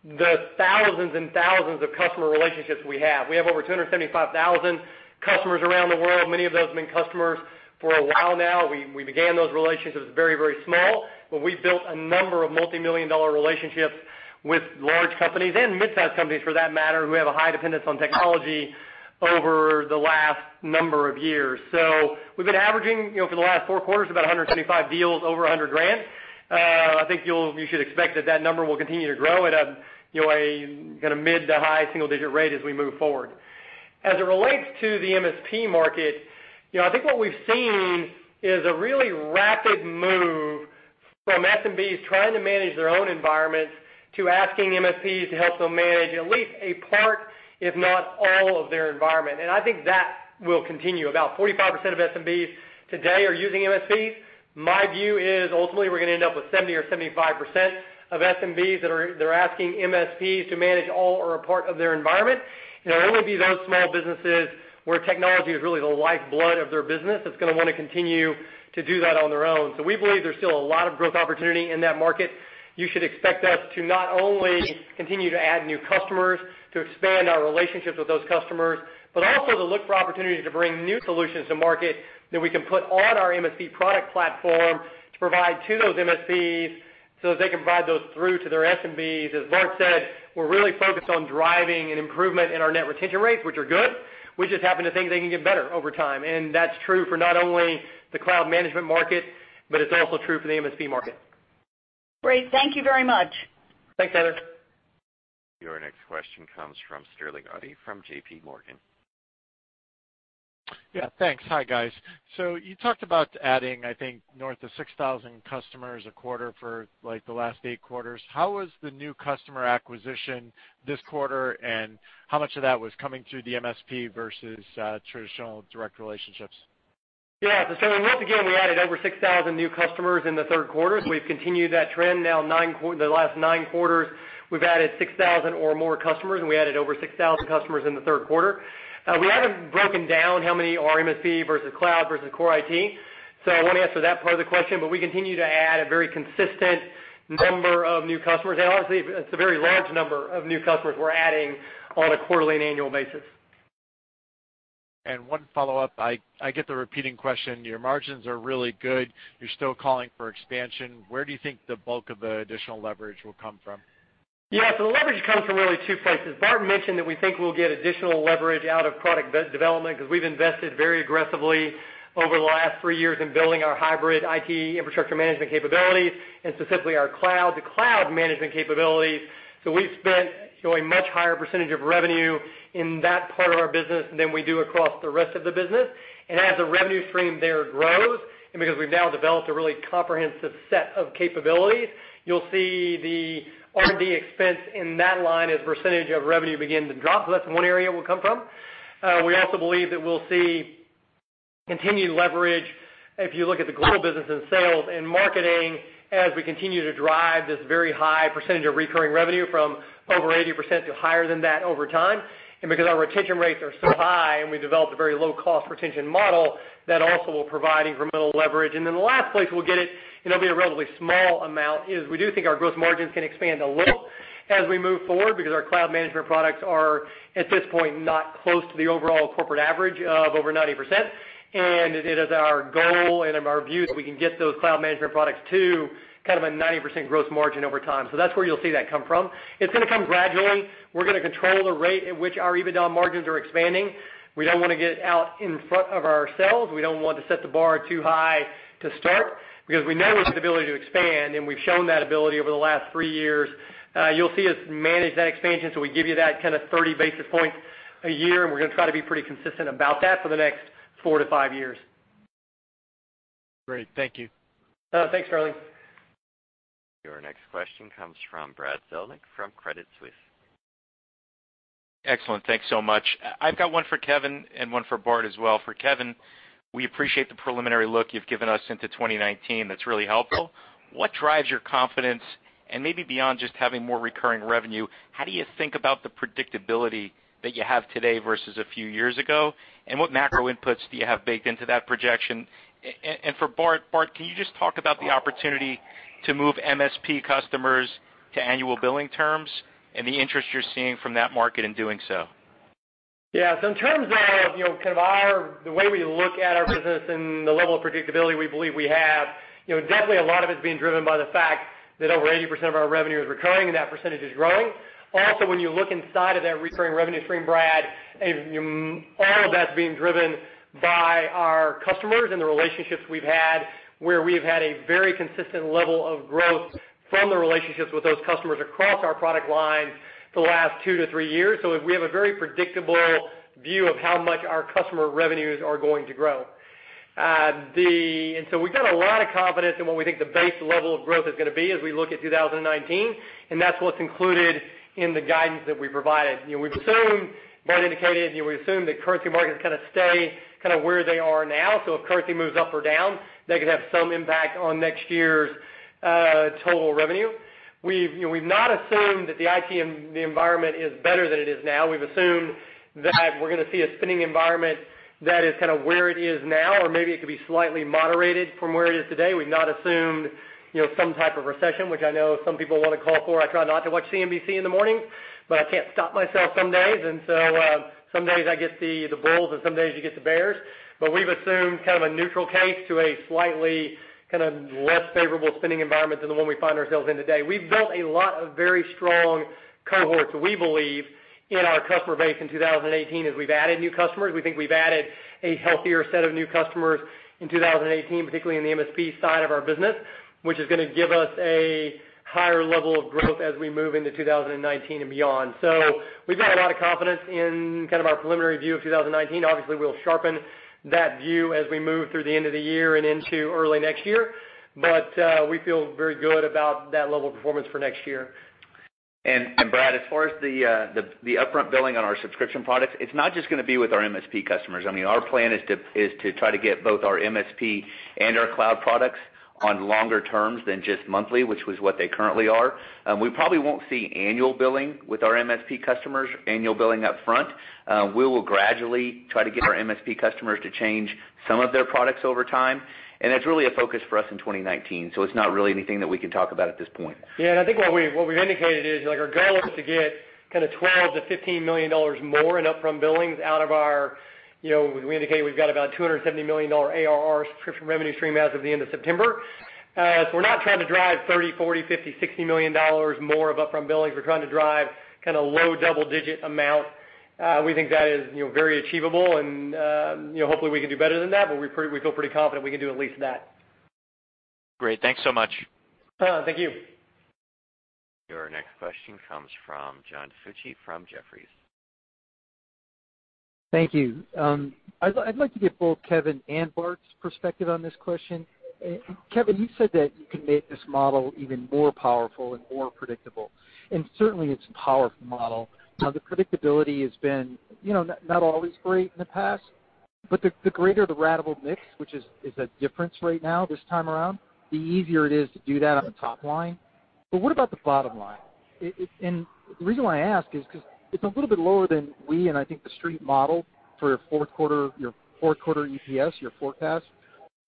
the thousands and thousands of customer relationships we have. We have over 275,000 customers around the world, many of those have been customers for a while now. We began those relationships very small, but we've built a number of multimillion-dollar relationships with large companies and mid-size companies, for that matter, who have a high dependence on technology over the last number of years. We've been averaging, for the last four quarters, about 175 deals over 100 grand. I think you should expect that that number will continue to grow at a mid to high single-digit rate as we move forward. As it relates to the MSP market, I think what we've seen is a really rapid move from SMBs trying to manage their own environments, to asking MSPs to help them manage at least a part, if not all, of their environment. I think that will continue. About 45% of SMBs today are using MSPs. My view is ultimately we're going to end up with 70% or 75% of SMBs that are asking MSPs to manage all or a part of their environment. It will only be those small businesses where technology is really the lifeblood of their business that's going to want to continue to do that on their own. We believe there's still a lot of growth opportunity in that market. You should expect us to not only continue to add new customers, to expand our relationships with those customers, but also to look for opportunities to bring new solutions to market that we can put on our MSP product platform to provide to those MSPs, so that they can provide those through to their SMBs. As Bart said, we're really focused on driving an improvement in our net retention rates, which are good. We just happen to think they can get better over time. That's true for not only the cloud management market, but it's also true for the MSP market. Great. Thank you very much. Thanks, Heather. Your next question comes from Sterling Auty from J.P. Morgan. Yeah, thanks. Hi, guys. You talked about adding, I think, north of 6,000 customers a quarter for the last eight quarters. How was the new customer acquisition this quarter, and how much of that was coming through the MSP versus traditional direct relationships? Yeah. Once again, we added over 6,000 new customers in the third quarter. We've continued that trend now the last nine quarters. We've added 6,000 or more customers, and we added over 6,000 customers in the third quarter. We haven't broken down how many are MSP versus cloud versus core IT. I won't answer that part of the question, but we continue to add a very consistent number of new customers. Honestly, it's a very large number of new customers we're adding on a quarterly and annual basis. One follow-up. I get the repeating question. Your margins are really good. You're still calling for expansion. Where do you think the bulk of the additional leverage will come from? Yeah. The leverage comes from really two places. Bart mentioned that we think we'll get additional leverage out of product development because we've invested very aggressively over the last three years in building our hybrid IT infrastructure management capabilities and specifically our cloud-to-cloud management capabilities. We've spent a much higher percentage of revenue in that part of our business than we do across the rest of the business. As the revenue stream there grows, and because we've now developed a really comprehensive set of capabilities, you'll see the R&D expense in that line as a percentage of revenue begin to drop. That's one area it will come from. We also believe that we'll see continued leverage. If you look at the global business in sales and marketing, as we continue to drive this very high percentage of recurring revenue from over 80% to higher than that over time. Because our retention rates are so high and we developed a very low-cost retention model, that also will provide incremental leverage. The last place we'll get it, and it'll be a relatively small amount, is we do think our gross margins can expand a little as we move forward because our cloud management products are, at this point, not close to the overall corporate average of over 90%. It is our goal and our view that we can get those cloud management products to kind of a 90% gross margin over time. That's where you'll see that come from. It's going to come gradually. We're going to control the rate at which our EBITDA margins are expanding. We don't want to get out in front of ourselves. We don't want to set the bar too high to start because we know we have the ability to expand, and we've shown that ability over the last three years. You'll see us manage that expansion. We give you that kind of 30 basis points a year. We're going to try to be pretty consistent about that for the next four to five years. Great. Thank you. Thanks, Sterling. Your next question comes from Brad Zelnick from Credit Suisse. Excellent. Thanks so much. I've got one for Kevin and one for Bart as well. For Kevin, we appreciate the preliminary look you've given us into 2019. That's really helpful. What drives your confidence, and maybe beyond just having more recurring revenue, how do you think about the predictability that you have today versus a few years ago? What macro inputs do you have baked into that projection? For Bart, can you just talk about the opportunity to move MSP customers to annual billing terms and the interest you're seeing from that market in doing so? In terms of the way we look at our business and the level of predictability we believe we have, definitely a lot of it is being driven by the fact that over 80% of our revenue is recurring, and that percentage is growing. Also, when you look inside of that recurring revenue stream, Brad, all of that's being driven by our customers and the relationships we've had, where we've had a very consistent level of growth from the relationships with those customers across our product lines for the last two to three years. We have a very predictable view of how much our customer revenues are going to grow. We've got a lot of confidence in what we think the base level of growth is going to be as we look at 2019, and that's what's included in the guidance that we provided. We've assumed, Bart indicated, we assume that currency markets kind of stay where they are now. If currency moves up or down, that could have some impact on next year's total revenue. We've not assumed that the IT environment is better than it is now. We've assumed that we're going to see a spending environment that is kind of where it is now, or maybe it could be slightly moderated from where it is today. We've not assumed some type of recession, which I know some people want to call for. I try not to watch CNBC in the mornings, but I can't stop myself some days. Some days I get the bulls, and some days you get the bears. We've assumed kind of a neutral case to a slightly less favorable spending environment than the one we find ourselves in today. We've built a lot of very strong cohorts, we believe, in our customer base in 2018 as we've added new customers. We think we've added a healthier set of new customers in 2018, particularly in the MSP side of our business, which is going to give us a higher level of growth as we move into 2019 and beyond. We've got a lot of confidence in kind of our preliminary view of 2019. Obviously, we'll sharpen that view as we move through the end of the year and into early next year. We feel very good about that level of performance for next year. Brad, as far as the upfront billing on our subscription products, it's not just going to be with our MSP customers. I mean, our plan is to try to get both our MSP and our cloud products on longer terms than just monthly, which was what they currently are. We probably won't see annual billing with our MSP customers, annual billing up front. We will gradually try to get our MSP customers to change some of their products over time, and that's really a focus for us in 2019. It's not really anything that we can talk about at this point. Yeah, I think what we've indicated is, our goal is to get kind of $12 million-$15 million more in upfront billings. We indicated we've got about $270 million ARR subscription revenue stream as of the end of September. We're not trying to drive $30 million, $40 million, $50 million, $60 million more of upfront billings. We're trying to drive kind of low double-digit amount. We think that is very achievable and hopefully we can do better than that, we feel pretty confident we can do at least that. Great. Thanks so much. Thank you. Your next question comes from John DiFucci from Jefferies. Thank you. I'd like to get both Kevin and Bart's perspective on this question. Kevin, you said that you can make this model even more powerful and more predictable, and certainly it's a powerful model. The predictability has been not always great in the past, but the greater the ratable mix, which is a difference right now this time around, the easier it is to do that on the top line. What about the bottom line? The reason why I ask is because it's a little bit lower than we and I think the street model for your fourth quarter EPS, your forecast.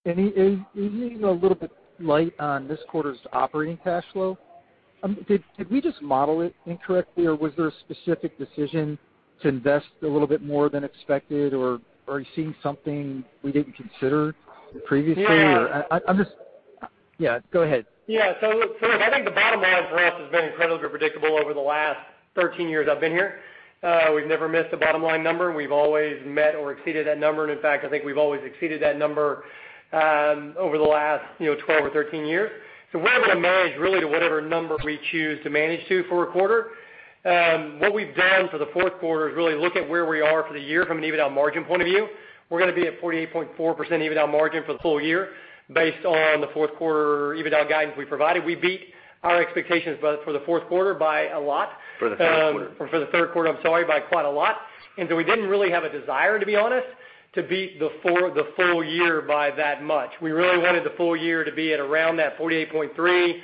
You're a little bit light on this quarter's operating cash flow. Did we just model it incorrectly, or was there a specific decision to invest a little bit more than expected? Are you seeing something we didn't consider previously? Yeah. Yeah, go ahead. I think the bottom line for us has been incredibly predictable over the last 13 years I've been here. We've never missed a bottom-line number. We've always met or exceeded that number. In fact, I think we've always exceeded that number over the last 12 or 13 years. We're going to manage really to whatever number we choose to manage to for a quarter. What we've done for the fourth quarter is really look at where we are for the year from an EBITDA margin point of view. We're going to be at 48.4% EBITDA margin for the whole year based on the fourth quarter EBITDA guidance we provided. We beat our expectations both for the fourth quarter by a lot. For the third quarter. For the third quarter, I'm sorry, by quite a lot. We didn't really have a desire, to be honest, to beat the full year by that much. We really wanted the full year to be at around that 48.3%-48.4%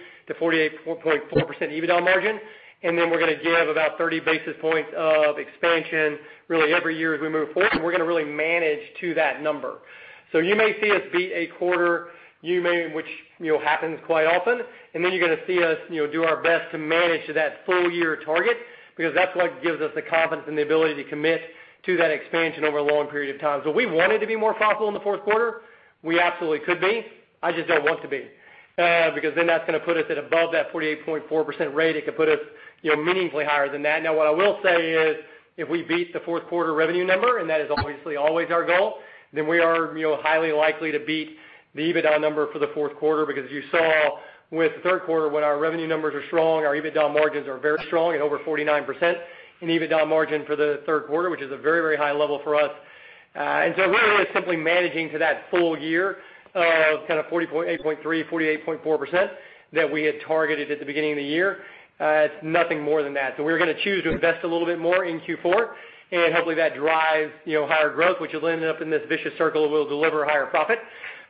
EBITDA margin. We're going to give about 30 basis points of expansion really every year as we move forward, and we're going to really manage to that number. You may see us beat a quarter, which happens quite often, and you're going to see us do our best to manage to that full year target, because that's what gives us the confidence and the ability to commit to that expansion over a long period of time. We wanted to be more profitable in the fourth quarter. We absolutely could be. I just don't want to be. That's going to put us at above that 48.4% rate. It could put us meaningfully higher than that. What I will say is, if we beat the fourth quarter revenue number, that is obviously always our goal. We are highly likely to beat the EBITDA number for the fourth quarter. You saw with the third quarter, when our revenue numbers are strong, our EBITDA margins are very strong at over 49% in EBITDA margin for the third quarter, which is a very high level for us. We're really simply managing to that full year of 48.3%-48.4% that we had targeted at the beginning of the year. It's nothing more than that. We're going to choose to invest a little bit more in Q4, hopefully that drives higher growth, which will end up in this vicious circle that will deliver higher profit.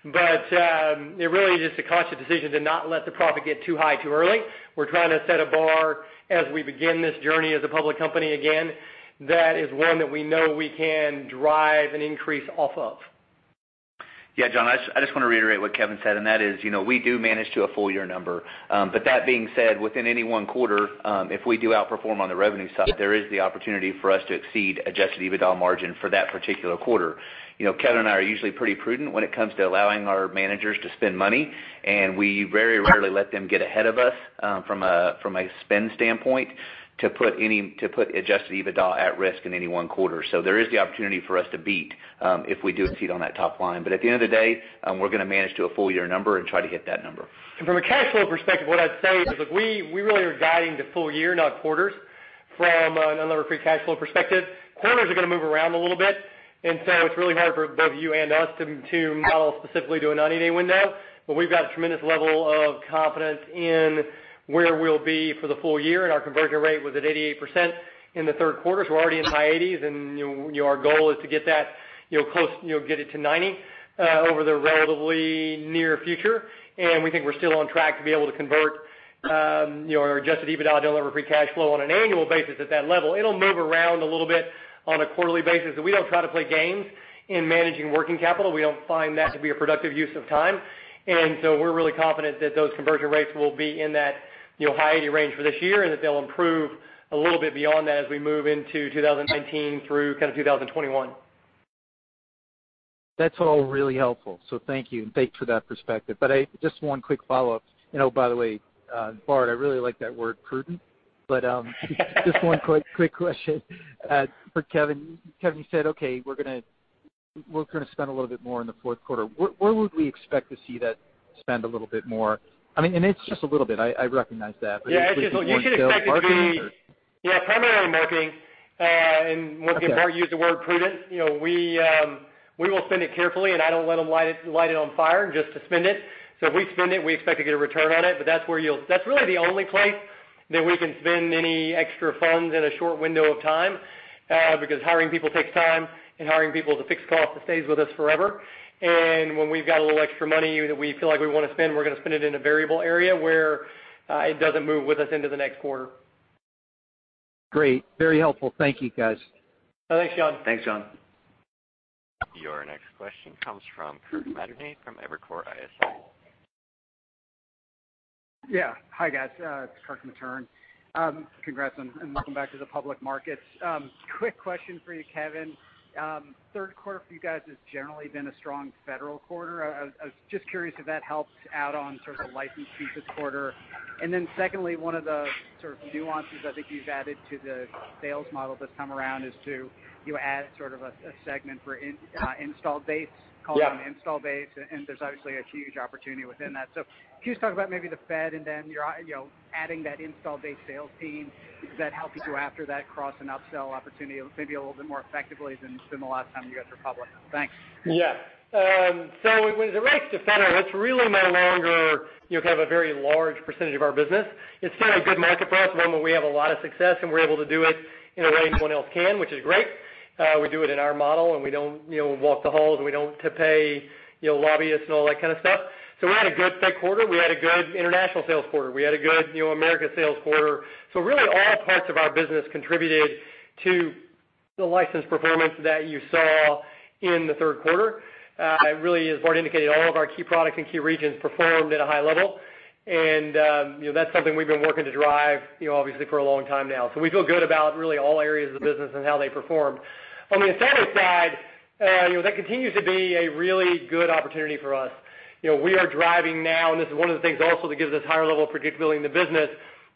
It really is just a conscious decision to not let the profit get too high too early. We're trying to set a bar as we begin this journey as a public company again, that is one that we know we can drive an increase off of. Yeah, John, I just want to reiterate what Kevin said, and that is, we do manage to a full year number. That being said, within any one quarter, if we do outperform on the revenue side, there is the opportunity for us to exceed adjusted EBITDA margin for that particular quarter. Kevin and I are usually pretty prudent when it comes to allowing our managers to spend money, we very rarely let them get ahead of us, from a spend standpoint, to put adjusted EBITDA at risk in any one quarter. There is the opportunity for us to beat, if we do exceed on that top line. At the end of the day, we're going to manage to a full year number and try to hit that number. From a cash flow perspective, what I'd say is we really are guiding to full year, not quarters, from an unlevered free cash flow perspective. Quarters are going to move around a little bit, it's really hard for both you and us to model specifically to a 90-day window. We've got a tremendous level of confidence in where we'll be for the full year, our conversion rate was at 88% in the third quarter. We're already in the high 80s, our goal is to get it to 90 over the relatively near future. We think we're still on track to be able to convert our adjusted EBITDA delivery free cash flow on an annual basis at that level. It'll move around a little bit on a quarterly basis, but we don't try to play games in managing working capital. We don't find that to be a productive use of time. We're really confident that those conversion rates will be in that high 80 range for this year, and that they'll improve a little bit beyond that as we move into 2019 through 2021. That's all really helpful. Thank you, and thanks for that perspective. Just one quick follow-up. By the way, Bart, I really like that word, prudent. Just one quick question for Kevin. Kevin, you said, okay, we're going to spend a little bit more in the fourth quarter. Where would we expect to see that spend a little bit more? It's just a little bit, I recognize that. Is this more in sales, marketing, or- Yeah, you should expect it to be primarily marketing. Once again, Bart used the word prudent. We will spend it carefully, and I don't let them light it on fire just to spend it. If we spend it, we expect to get a return on it. That's really the only place that we can spend any extra funds in a short window of time, because hiring people takes time, and hiring people is a fixed cost that stays with us forever. When we've got a little extra money that we feel like we want to spend, we're going to spend it in a variable area where it doesn't move with us into the next quarter. Great. Very helpful. Thank you, guys. Thanks, John. Thanks, John. Your next question comes from Kirk Materne from Evercore ISI. Yeah. Hi, guys. It's Kirk Materne. Congrats and welcome back to the public market. Quick question for you, Kevin. Third quarter for you guys has generally been a strong Federal quarter. Secondly, one of the sort of nuances I think you've added to the sales model this time around is you add sort of a segment for install base- Yeah call it an install base. There's obviously a huge opportunity within that. Can you just talk about maybe the Fed and then adding that install base sales team. Does that help you go after that cross and up-sell opportunity maybe a little bit more effectively than the last time you guys were public? Thanks. Yeah. With the rates to Fed, that's really no longer kind of a very large percentage of our business. It's still a good market for us, one where we have a lot of success, and we're able to do it in a way that no one else can, which is great. We do it in our model, and we don't walk the halls, and we don't have to pay lobbyists and all that kind of stuff. We had a good Fed quarter. We had a good international sales quarter. We had a good Americas sales quarter. Really, all parts of our business contributed to the license performance that you saw in the third quarter. It really is, Bart indicated, all of our key products and key regions performed at a high level. That's something we've been working to drive obviously for a long time now. We feel good about really all areas of the business and how they performed. On the Fed side, that continues to be a really good opportunity for us. We are driving now, and this is one of the things also that gives us higher level of predictability in the business.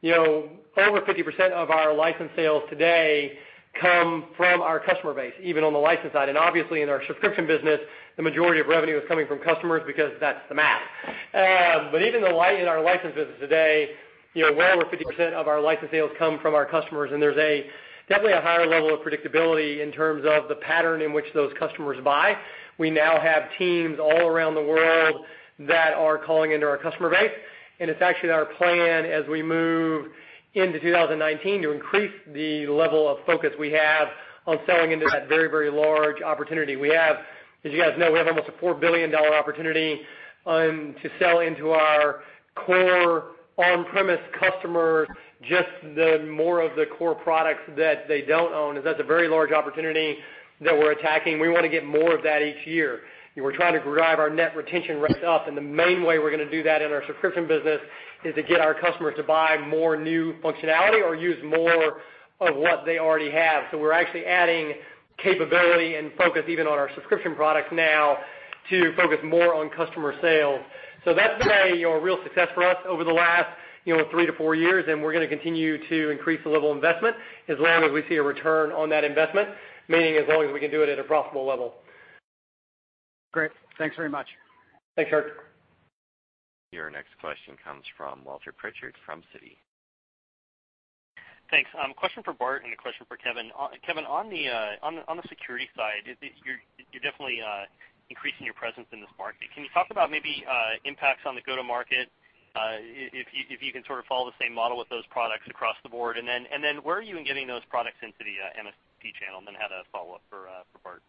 Over 50% of our license sales today come from our customer base, even on the license side. Obviously, in our subscription business, the majority of revenue is coming from customers because that's the math. Even in our license business today, well over 50% of our license sales come from our customers, and there's definitely a higher level of predictability in terms of the pattern in which those customers buy. We now have teams all around the world that are calling into our customer base. It's actually our plan as we move into 2019 to increase the level of focus we have on selling into that very, very large opportunity. As you guys know, we have almost a $4 billion opportunity to sell into our core on-premise customer, just the more of the core products that they don't own. That's a very large opportunity that we're attacking. We want to get more of that each year, and we're trying to drive our net retention rates up. The main way we're going to do that in our subscription business is to get our customers to buy more new functionality or use more of what they already have. We're actually adding capability and focus even on our subscription products now to focus more on customer sales. That's been a real success for us over the last three to four years, we're going to continue to increase the level of investment as long as we see a return on that investment, meaning as long as we can do it at a profitable level. Great. Thanks very much. Thanks, Kirk. Your next question comes from Walter Pritchard from Citi. Thanks. A question for Bart and a question for Kevin. Kevin, on the security side, you're definitely increasing your presence in this market. Can you talk about maybe impacts on the go-to market, if you can sort of follow the same model with those products across the board? Where are you in getting those products into the MSP channel? I have a follow-up for Bart.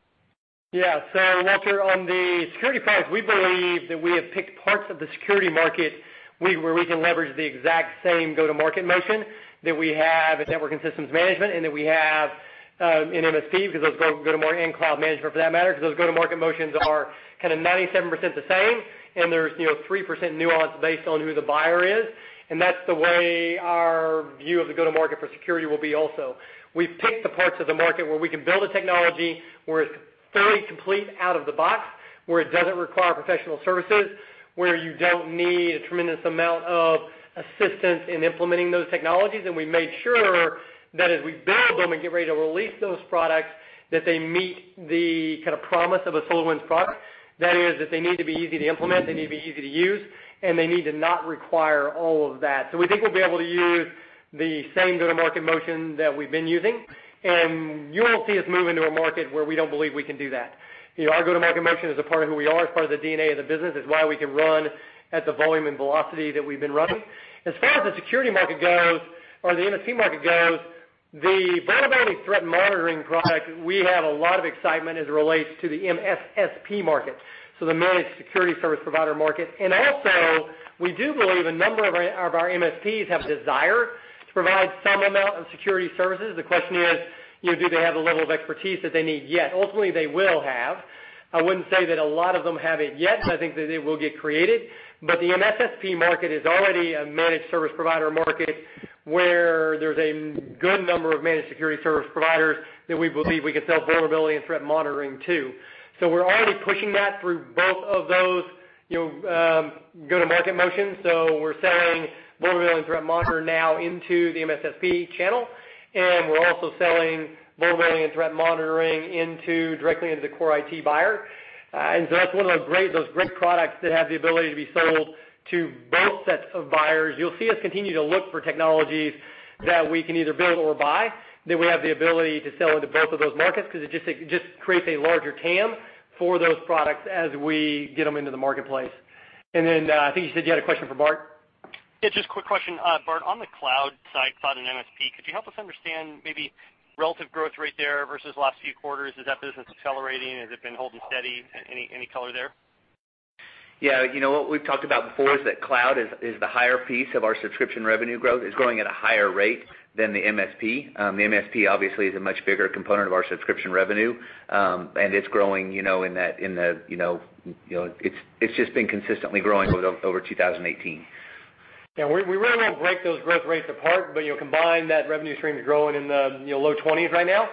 Yeah. Walter, on the security products, we believe that we have picked parts of the security market where we can leverage the exact same go-to-market motion that we have at Network and Systems Management and that we have in MSP, because those go-to-market and cloud management for that matter, because those go-to-market motions are kind of 97% the same. There's 3% nuance based on who the buyer is. That's the way our view of the go-to-market for security will be also. We've picked the parts of the market where we can build a technology where it's fully complete out of the box, where it doesn't require professional services, where you don't need a tremendous amount of assistance in implementing those technologies. We've made sure that as we build them and get ready to release those products, that they meet the kind of promise of a SolarWinds product. That is, that they need to be easy to implement, they need to be easy to use, and they need to not require all of that. We think we'll be able to use the same go-to-market motion that we've been using, and you won't see us move into a market where we don't believe we can do that. Our go-to-market motion is a part of who we are. It's part of the DNA of the business. It's why we can run at the volume and velocity that we've been running. As far as the security market goes, or the MSP market goes, the vulnerability threat monitoring product, we have a lot of excitement as it relates to the MSSP market, so the managed security service provider market. Also, we do believe a number of our MSPs have desire to provide some amount of security services. The question is, do they have the level of expertise that they need yet? Ultimately, they will have. I wouldn't say that a lot of them have it yet. I think that it will get created. The MSSP market is already a managed service provider market where there's a good number of managed security service providers that we believe we can sell vulnerability and threat monitoring to. We're already pushing that through both of those go-to-market motions. We're selling vulnerability and threat monitoring now into the MSSP channel, and we're also selling vulnerability and threat monitoring directly into the core IT buyer. That's one of those great products that has the ability to be sold to both sets of buyers. You'll see us continue to look for technologies that we can either build or buy, that we have the ability to sell into both of those markets because it just creates a larger TAM for those products as we get them into the marketplace. I think you said you had a question for Bart? Just a quick question. Bart, on the cloud side, cloud and MSP, could you help us understand maybe relative growth rate there versus the last few quarters? Is that business accelerating? Has it been holding steady? Any color there? What we've talked about before is that cloud is the higher piece of our subscription revenue growth, is growing at a higher rate than the MSP. The MSP obviously is a much bigger component of our subscription revenue. It's just been consistently growing over 2018. We really don't break those growth rates apart, but combined, that revenue stream is growing in the low 20s right now.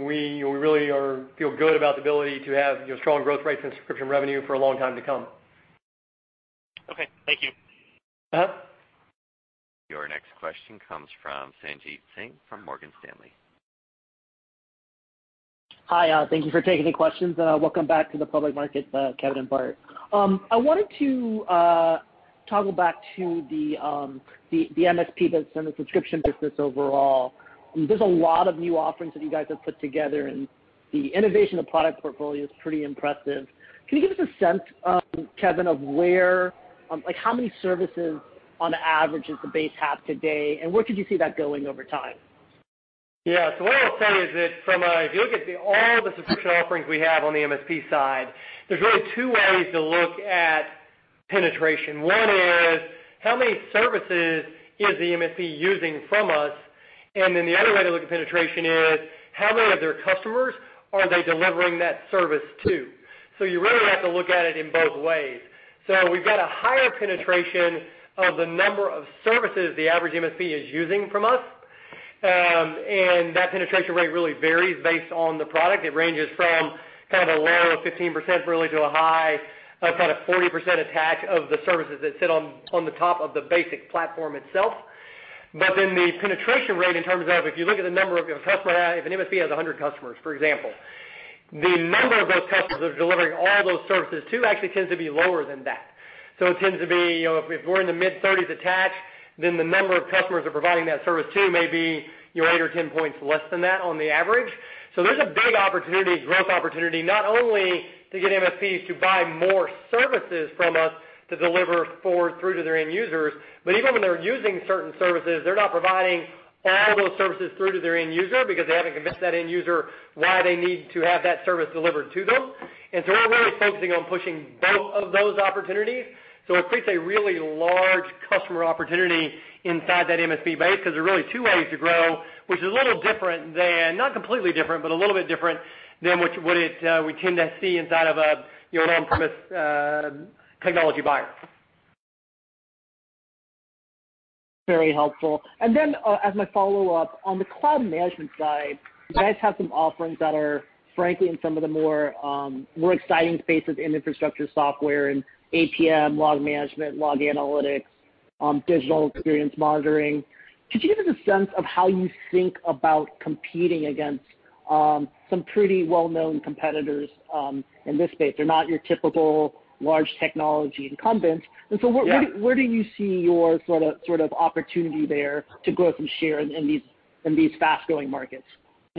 We really feel good about the ability to have strong growth rates in subscription revenue for a long time to come. Okay, thank you. Your next question comes from Sanjit Singh from Morgan Stanley. Hi, thank you for taking the questions. Welcome back to the public market, Kevin and Bart. I wanted to toggle back to the MSP business and the subscription business overall. The innovation of product portfolio is pretty impressive. Can you give us a sense, Kevin, of how many services on average does the base have today, and where could you see that going over time? What I'll say is that if you look at all the subscription offerings we have on the MSP side, there's really two ways to look at penetration. One is how many services is the MSP using from us? The other way to look at penetration is, how many of their customers are they delivering that service to? You really have to look at it in both ways. We've got a higher penetration of the number of services the average MSP is using from us, and that penetration rate really varies based on the product. It ranges from kind of a low of 15% really to a high of kind of 40% attach of the services that sit on the top of the basic platform itself. The penetration rate in terms of if you look at the number of customers, if an MSP has 100 customers, for example. The number of those customers they're delivering all those services to actually tends to be lower than that. It tends to be, if we're in the mid-30s attached, then the number of customers we're providing that service to may be eight or 10 points less than that on the average. There's a big growth opportunity, not only to get MSPs to buy more services from us to deliver forward through to their end users, but even when they're using certain services, they're not providing all those services through to their end user because they haven't convinced that end user why they need to have that service delivered to them. We're really focusing on pushing both of those opportunities. It creates a really large customer opportunity inside that MSP base, because there are really two ways to grow, which is a little different than, not completely different, but a little bit different than what we tend to see inside of an on-premise technology buyer. Very helpful. As my follow-up, on the cloud management side. Yeah You guys have some offerings that are frankly in some of the more exciting spaces in infrastructure software and APM, log management, log analytics, digital experience monitoring. Could you give us a sense of how you think about competing against some pretty well-known competitors in this space? They're not your typical large technology incumbents. Yeah Where do you see your sort of opportunity there to grow some share in these fast-growing markets?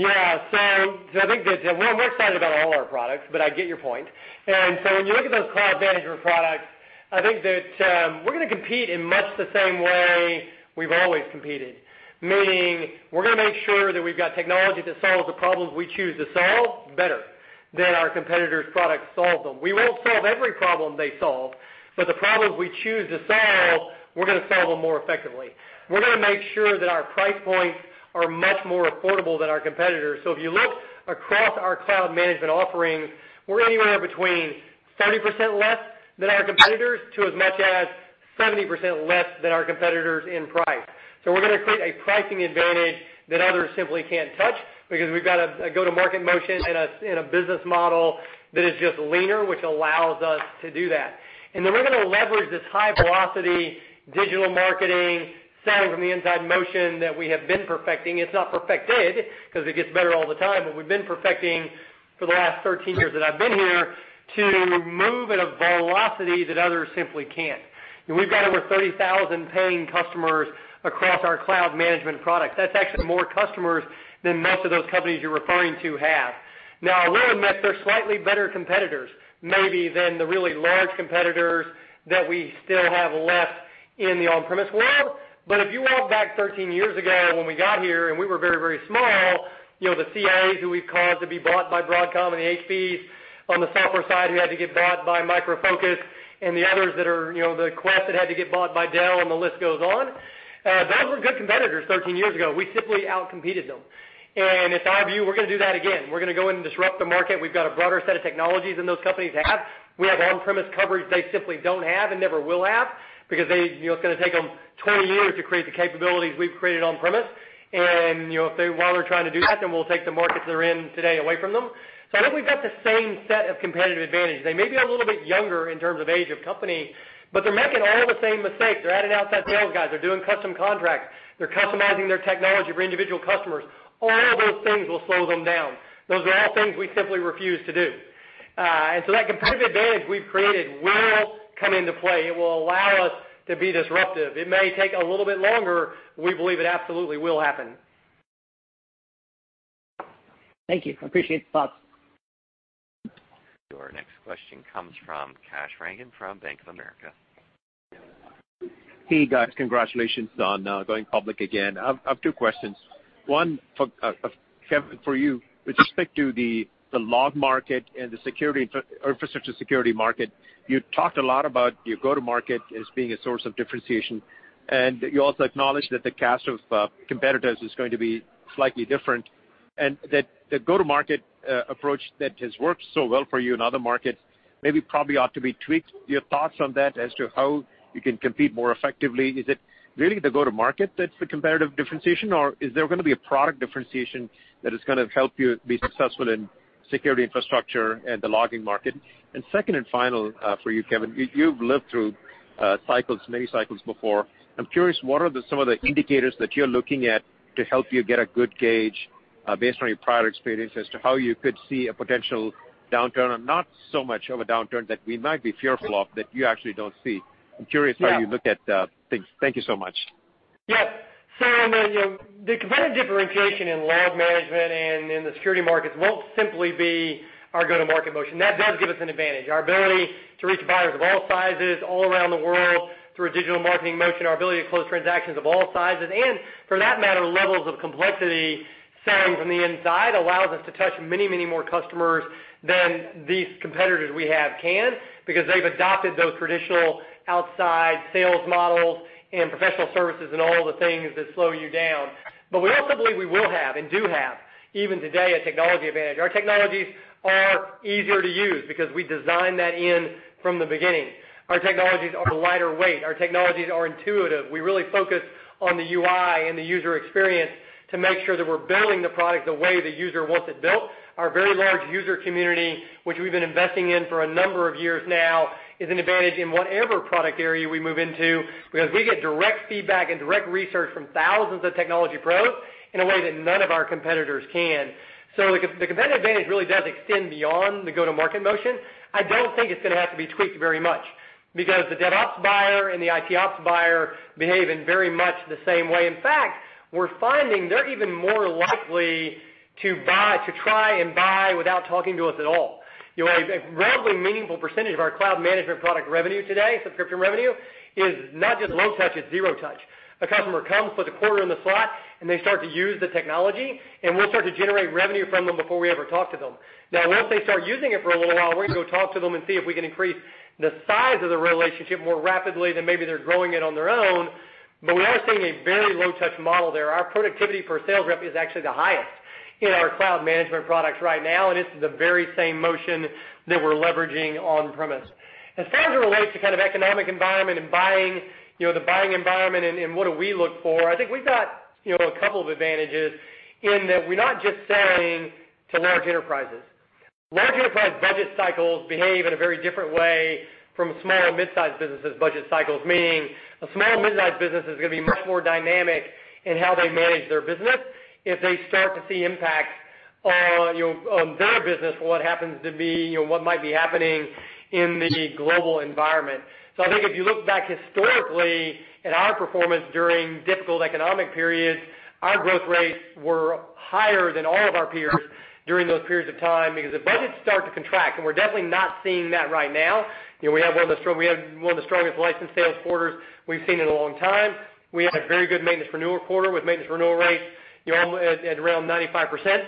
I think that we're excited about all our products, but I get your point. When you look at those cloud management products, I think that we're going to compete in much the same way we've always competed, meaning we're going to make sure that we've got technology that solves the problems we choose to solve better than our competitors' products solve them. We won't solve every problem they solve, but the problems we choose to solve, we're going to solve them more effectively. We're going to make sure that our price points are much more affordable than our competitors. If you look across our cloud management offerings, we're anywhere between 30% less than our competitors to as much as 70% less than our competitors in price. We're going to create a pricing advantage that others simply can't touch because we've got a go-to-market motion and a business model that is just leaner, which allows us to do that. We're going to leverage this high-velocity digital marketing selling from the inside motion that we have been perfecting. It's not perfected because it gets better all the time, but we've been perfecting for the last 13 years that I've been here to move at a velocity that others simply can't. We've got over 30,000 paying customers across our cloud management products. That's actually more customers than most of those companies you're referring to have. I will admit they're slightly better competitors, maybe than the really large competitors that we still have left in the on-premise world. If you walk back 13 years ago when we got here, and we were very, very small, the CAs who we've caused to be bought by Broadcom and the HPs on the software side who had to get bought by Micro Focus and the others, the Quest that had to get bought by Dell, and the list goes on. Those were good competitors 13 years ago. We simply out-competed them. It's our view, we're going to do that again. We're going to go in and disrupt the market. We've got a broader set of technologies than those companies have. We have on-premise coverage they simply don't have and never will have because it's going to take them 20 years to create the capabilities we've created on-premise. While they're trying to do that, we'll take the markets they're in today away from them. I think we've got the same set of competitive advantages. They may be a little bit younger in terms of age of company, they're making all the same mistakes. They're adding outside sales guys. They're doing custom contracts. They're customizing their technology for individual customers. All those things will slow them down. Those are all things we simply refuse to do. That competitive advantage we've created will come into play. It will allow us to be disruptive. It may take a little bit longer, we believe it absolutely will happen. Thank you. Appreciate the thoughts. Your next question comes from Kash Rangan from Bank of America. Hey, guys. Congratulations on going public again. I have two questions. One, Kevin, for you, with respect to the log market and the infrastructure security market, you talked a lot about your go-to-market as being a source of differentiation, and you also acknowledged that the cast of competitors is going to be slightly different, and that the go-to-market approach that has worked so well for you in other markets maybe probably ought to be tweaked. Your thoughts on that as to how you can compete more effectively. Is it really the go-to-market that's the competitive differentiation, or is there going to be a product differentiation that is going to help you be successful in security infrastructure and the logging market? Second and final for you, Kevin, you've lived through many cycles before. I'm curious, what are some of the indicators that you're looking at to help you get a good gauge based on your prior experience as to how you could see a potential downturn or not so much of a downturn that we might be fearful of that you actually don't see? Yeah how you look at things. Thank you so much. Yeah. The competitive differentiation in log management and in the security markets won't simply be our go-to-market motion. That does give us an advantage. Our ability to reach buyers of all sizes all around the world through a digital marketing motion, our ability to close transactions of all sizes, and for that matter, levels of complexity selling from the inside allows us to touch many, many more customers than these competitors we have can because they've adopted those traditional outside sales models and professional services and all the things that slow you down. We also believe we will have and do have, even today, a technology advantage. Our technologies are easier to use because we designed that in from the beginning. Our technologies are lighter weight. Our technologies are intuitive. We really focus on the UI and the user experience to make sure that we're building the product the way the user wants it built. Our very large user community, which we've been investing in for a number of years now, is an advantage in whatever product area we move into because we get direct feedback and direct research from thousands of technology pros in a way that none of our competitors can. The competitive advantage really does extend beyond the go-to-market motion. I don't think it's going to have to be tweaked very much. The DevOps buyer and the ITOps buyer behave in very much the same way. In fact, we're finding they're even more likely to try and buy without talking to us at all. A relatively meaningful percentage of our cloud management product revenue today, subscription revenue, is not just low touch, it's zero touch. A customer comes, puts a quarter in the slot, and they start to use the technology, and we'll start to generate revenue from them before we ever talk to them. Now, once they start using it for a little while, we're going to go talk to them and see if we can increase the size of the relationship more rapidly than maybe they're growing it on their own. We are seeing a very low-touch model there. Our productivity per sales rep is actually the highest in our cloud management products right now, and it's the very same motion that we're leveraging on-premise. As far as it relates to kind of economic environment and the buying environment and what do we look for, I think we've got a couple of advantages in that we're not just selling to large enterprises. Large enterprise budget cycles behave in a very different way from small and mid-sized businesses' budget cycles, meaning a small and mid-sized business is going to be much more dynamic in how they manage their business if they start to see impacts on their business from what might be happening in the global environment. I think if you look back historically at our performance during difficult economic periods, our growth rates were higher than all of our peers during those periods of time, because if budgets start to contract, and we're definitely not seeing that right now. We had one of the strongest license sales quarters we've seen in a long time. We had a very good maintenance renewal quarter with maintenance renewal rates at around 95%.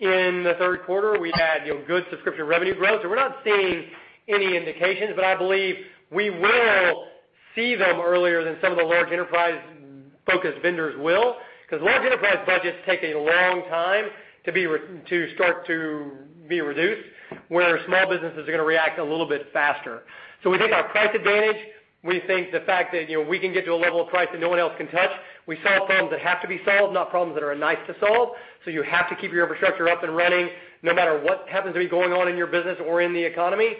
In the third quarter, we had good subscription revenue growth. We're not seeing any indications, but I believe we will see them earlier than some of the large enterprise-focused vendors will, because large enterprise budgets take a long time to start to be reduced, where small businesses are going to react a little bit faster. We think our price advantage, we think the fact that we can get to a level of price that no one else can touch. We solve problems that have to be solved, not problems that are nice to solve. You have to keep your infrastructure up and running no matter what happens to be going on in your business or in the economy.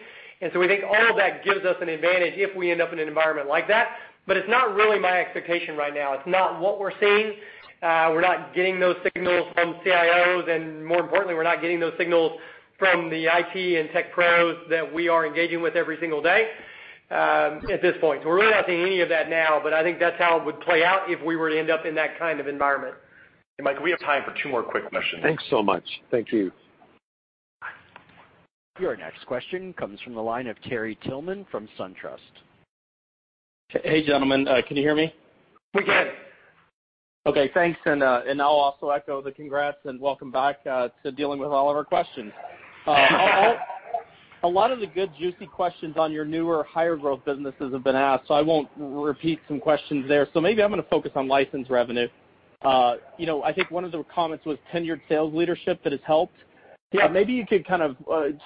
We think all of that gives us an advantage if we end up in an environment like that. It's not really my expectation right now. It's not what we're seeing. We're not getting those signals from CIOs, and more importantly, we're not getting those signals from the IT and tech pros that we are engaging with every single day at this point. We're really not seeing any of that now, but I think that's how it would play out if we were to end up in that kind of environment. Mike, we have time for two more quick questions. Thanks so much. Thank you. Your next question comes from the line of Terry Tillman from SunTrust. Hey, gentlemen. Can you hear me? We can. Okay, thanks. I'll also echo the congrats and welcome back to dealing with all of our questions. A lot of the good, juicy questions on your newer, higher growth businesses have been asked, so I won't repeat some questions there. Maybe I'm going to focus on license revenue. I think one of the comments was tenured sales leadership that has helped. Yeah. Maybe you could kind of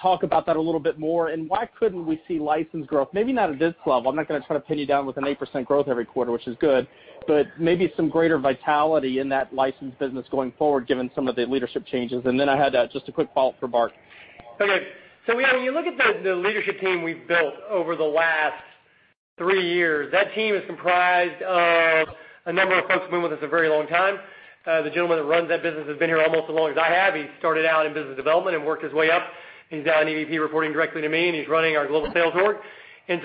talk about that a little bit more. Why couldn't we see license growth? Maybe not at this level. I'm not going to try to pin you down with an 8% growth every quarter, which is good, but maybe some greater vitality in that license business going forward, given some of the leadership changes. Then I had just a quick follow-up for Bart. Okay. When you look at the leadership team we've built over the last three years, that team is comprised of a number of folks who've been with us a very long time. The gentleman that runs that business has been here almost as long as I have. He started out in business development and worked his way up. He's now an EVP reporting directly to me, and he's running our global sales org. He's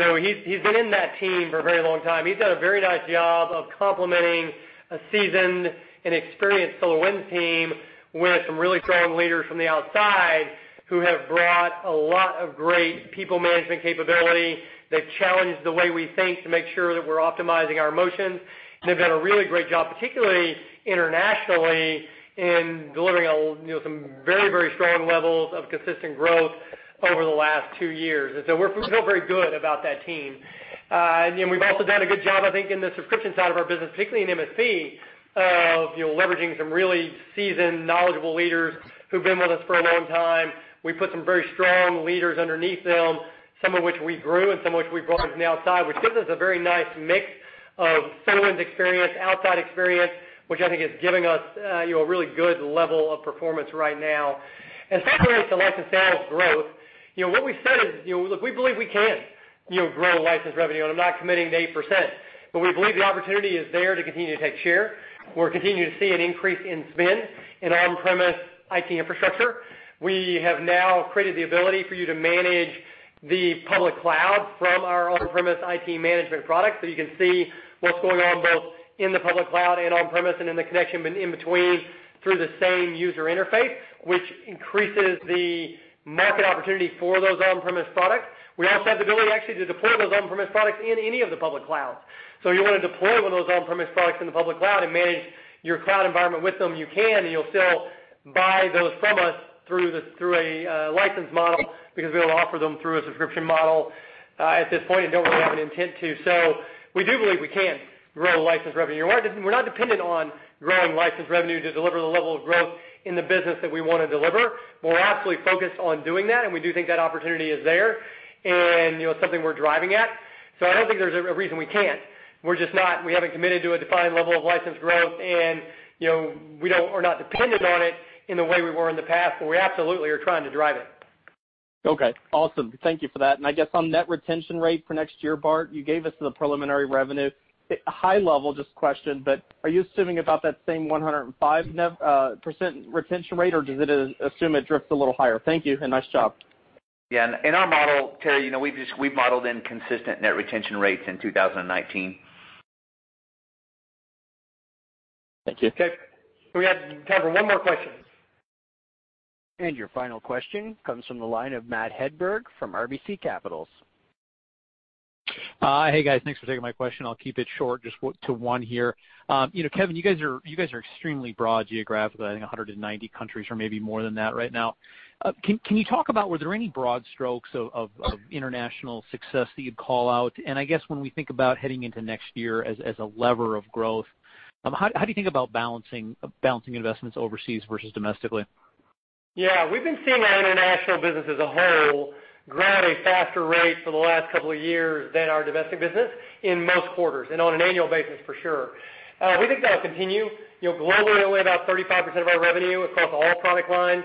been in that team for a very long time. He's done a very nice job of complementing a seasoned and experienced SolarWinds team with some really strong leaders from the outside who have brought a lot of great people management capability. They've challenged the way we think to make sure that we're optimizing our motions, and they've done a really great job, particularly internationally, in delivering some very strong levels of consistent growth over the last two years. We feel very good about that team. We've also done a good job, I think, in the subscription side of our business, particularly in MSP, of leveraging some really seasoned, knowledgeable leaders who've been with us for a long time. We put some very strong leaders underneath them, some of which we grew and some of which we brought from the outside, which gives us a very nice mix of SolarWinds experience, outside experience, which I think is giving us a really good level of performance right now. As far as license sales growth, what we've said is, look, we believe we can grow license revenue, and I'm not committing to 8%, but we believe the opportunity is there to continue to take share. We're continuing to see an increase in spend in on-premise IT infrastructure. We have now created the ability for you to manage the public cloud from our on-premise IT management product. You can see what's going on both in the public cloud and on-premise and in the connection in between through the same user interface, which increases the market opportunity for those on-premise products. We also have the ability actually to deploy those on-premise products in any of the public clouds. You want to deploy one of those on-premise products in the public cloud and manage your cloud environment with them, you can, and you'll still buy those from us through a license model because we don't offer them through a subscription model at this point and don't really have an intent to. We do believe we can grow license revenue. We're not dependent on growing license revenue to deliver the level of growth in the business that we want to deliver. We're absolutely focused on doing that, and we do think that opportunity is there, and it's something we're driving at. I don't think there's a reason we can't. We haven't committed to a defined level of license growth, and we're not dependent on it in the way we were in the past, but we absolutely are trying to drive it. Okay, awesome. Thank you for that. I guess on net retention rate for next year, Bart, you gave us the preliminary revenue. High level just question, but are you assuming about that same 105% retention rate, or does it assume it drifts a little higher? Thank you, and nice job. Yeah. In our model, Terry, we've modeled in consistent net retention rates in 2019. Thank you. Okay. We have time for one more question. Your final question comes from the line of Matt Hedberg from RBC Capital. Hi. Hey, guys. Thanks for taking my question. I'll keep it short, just to one here. Kevin, you guys are extremely broad geographically, I think 190 countries or maybe more than that right now. Can you talk about were there any broad strokes of international success that you'd call out? I guess when we think about heading into next year as a lever of growth, how do you think about balancing investments overseas versus domestically? Yeah. We've been seeing our international business as a whole grow at a faster rate for the last couple of years than our domestic business in most quarters, and on an annual basis for sure. We think that'll continue. Globally, only about 35% of our revenue across all product lines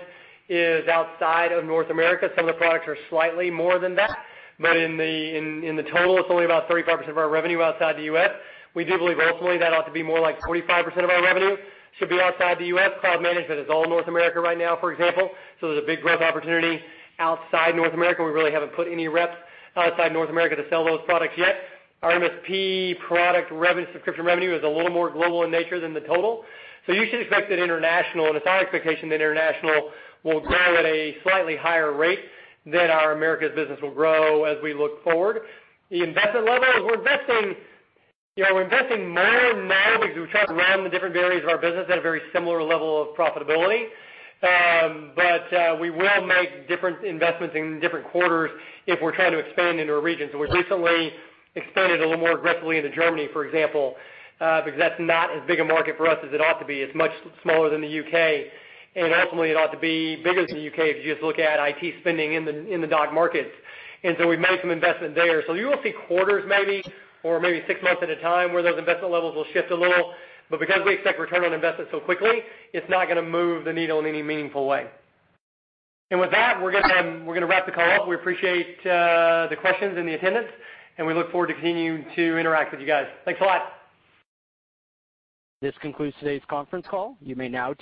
is outside of North America. Some of the products are slightly more than that. But in the total, it's only about 35% of our revenue outside the U.S. We do believe ultimately that ought to be more like 45% of our revenue should be outside the U.S. Cloud management is all North America right now, for example. There's a big growth opportunity outside North America. We really haven't put any reps outside North America to sell those products yet. Our MSP product subscription revenue is a little more global in nature than the total. You should expect that international, and it's our expectation that international will grow at a slightly higher rate than our Americas business will grow as we look forward. The investment level is we're investing more now because we try to run the different areas of our business at a very similar level of profitability. We will make different investments in different quarters if we're trying to expand into a region. We recently expanded a little more aggressively into Germany, for example because that's not as big a market for us as it ought to be. It's much smaller than the U.K., and ultimately it ought to be bigger than the U.K. if you just look at IT spending in the DACH markets. We've made some investment there. You will see quarters maybe, or maybe six months at a time where those investment levels will shift a little. Because we expect return on investment so quickly, it's not going to move the needle in any meaningful way. With that, we're going to wrap the call up. We appreciate the questions and the attendance, and we look forward to continuing to interact with you guys. Thanks a lot. This concludes today's conference call. You may now disconnect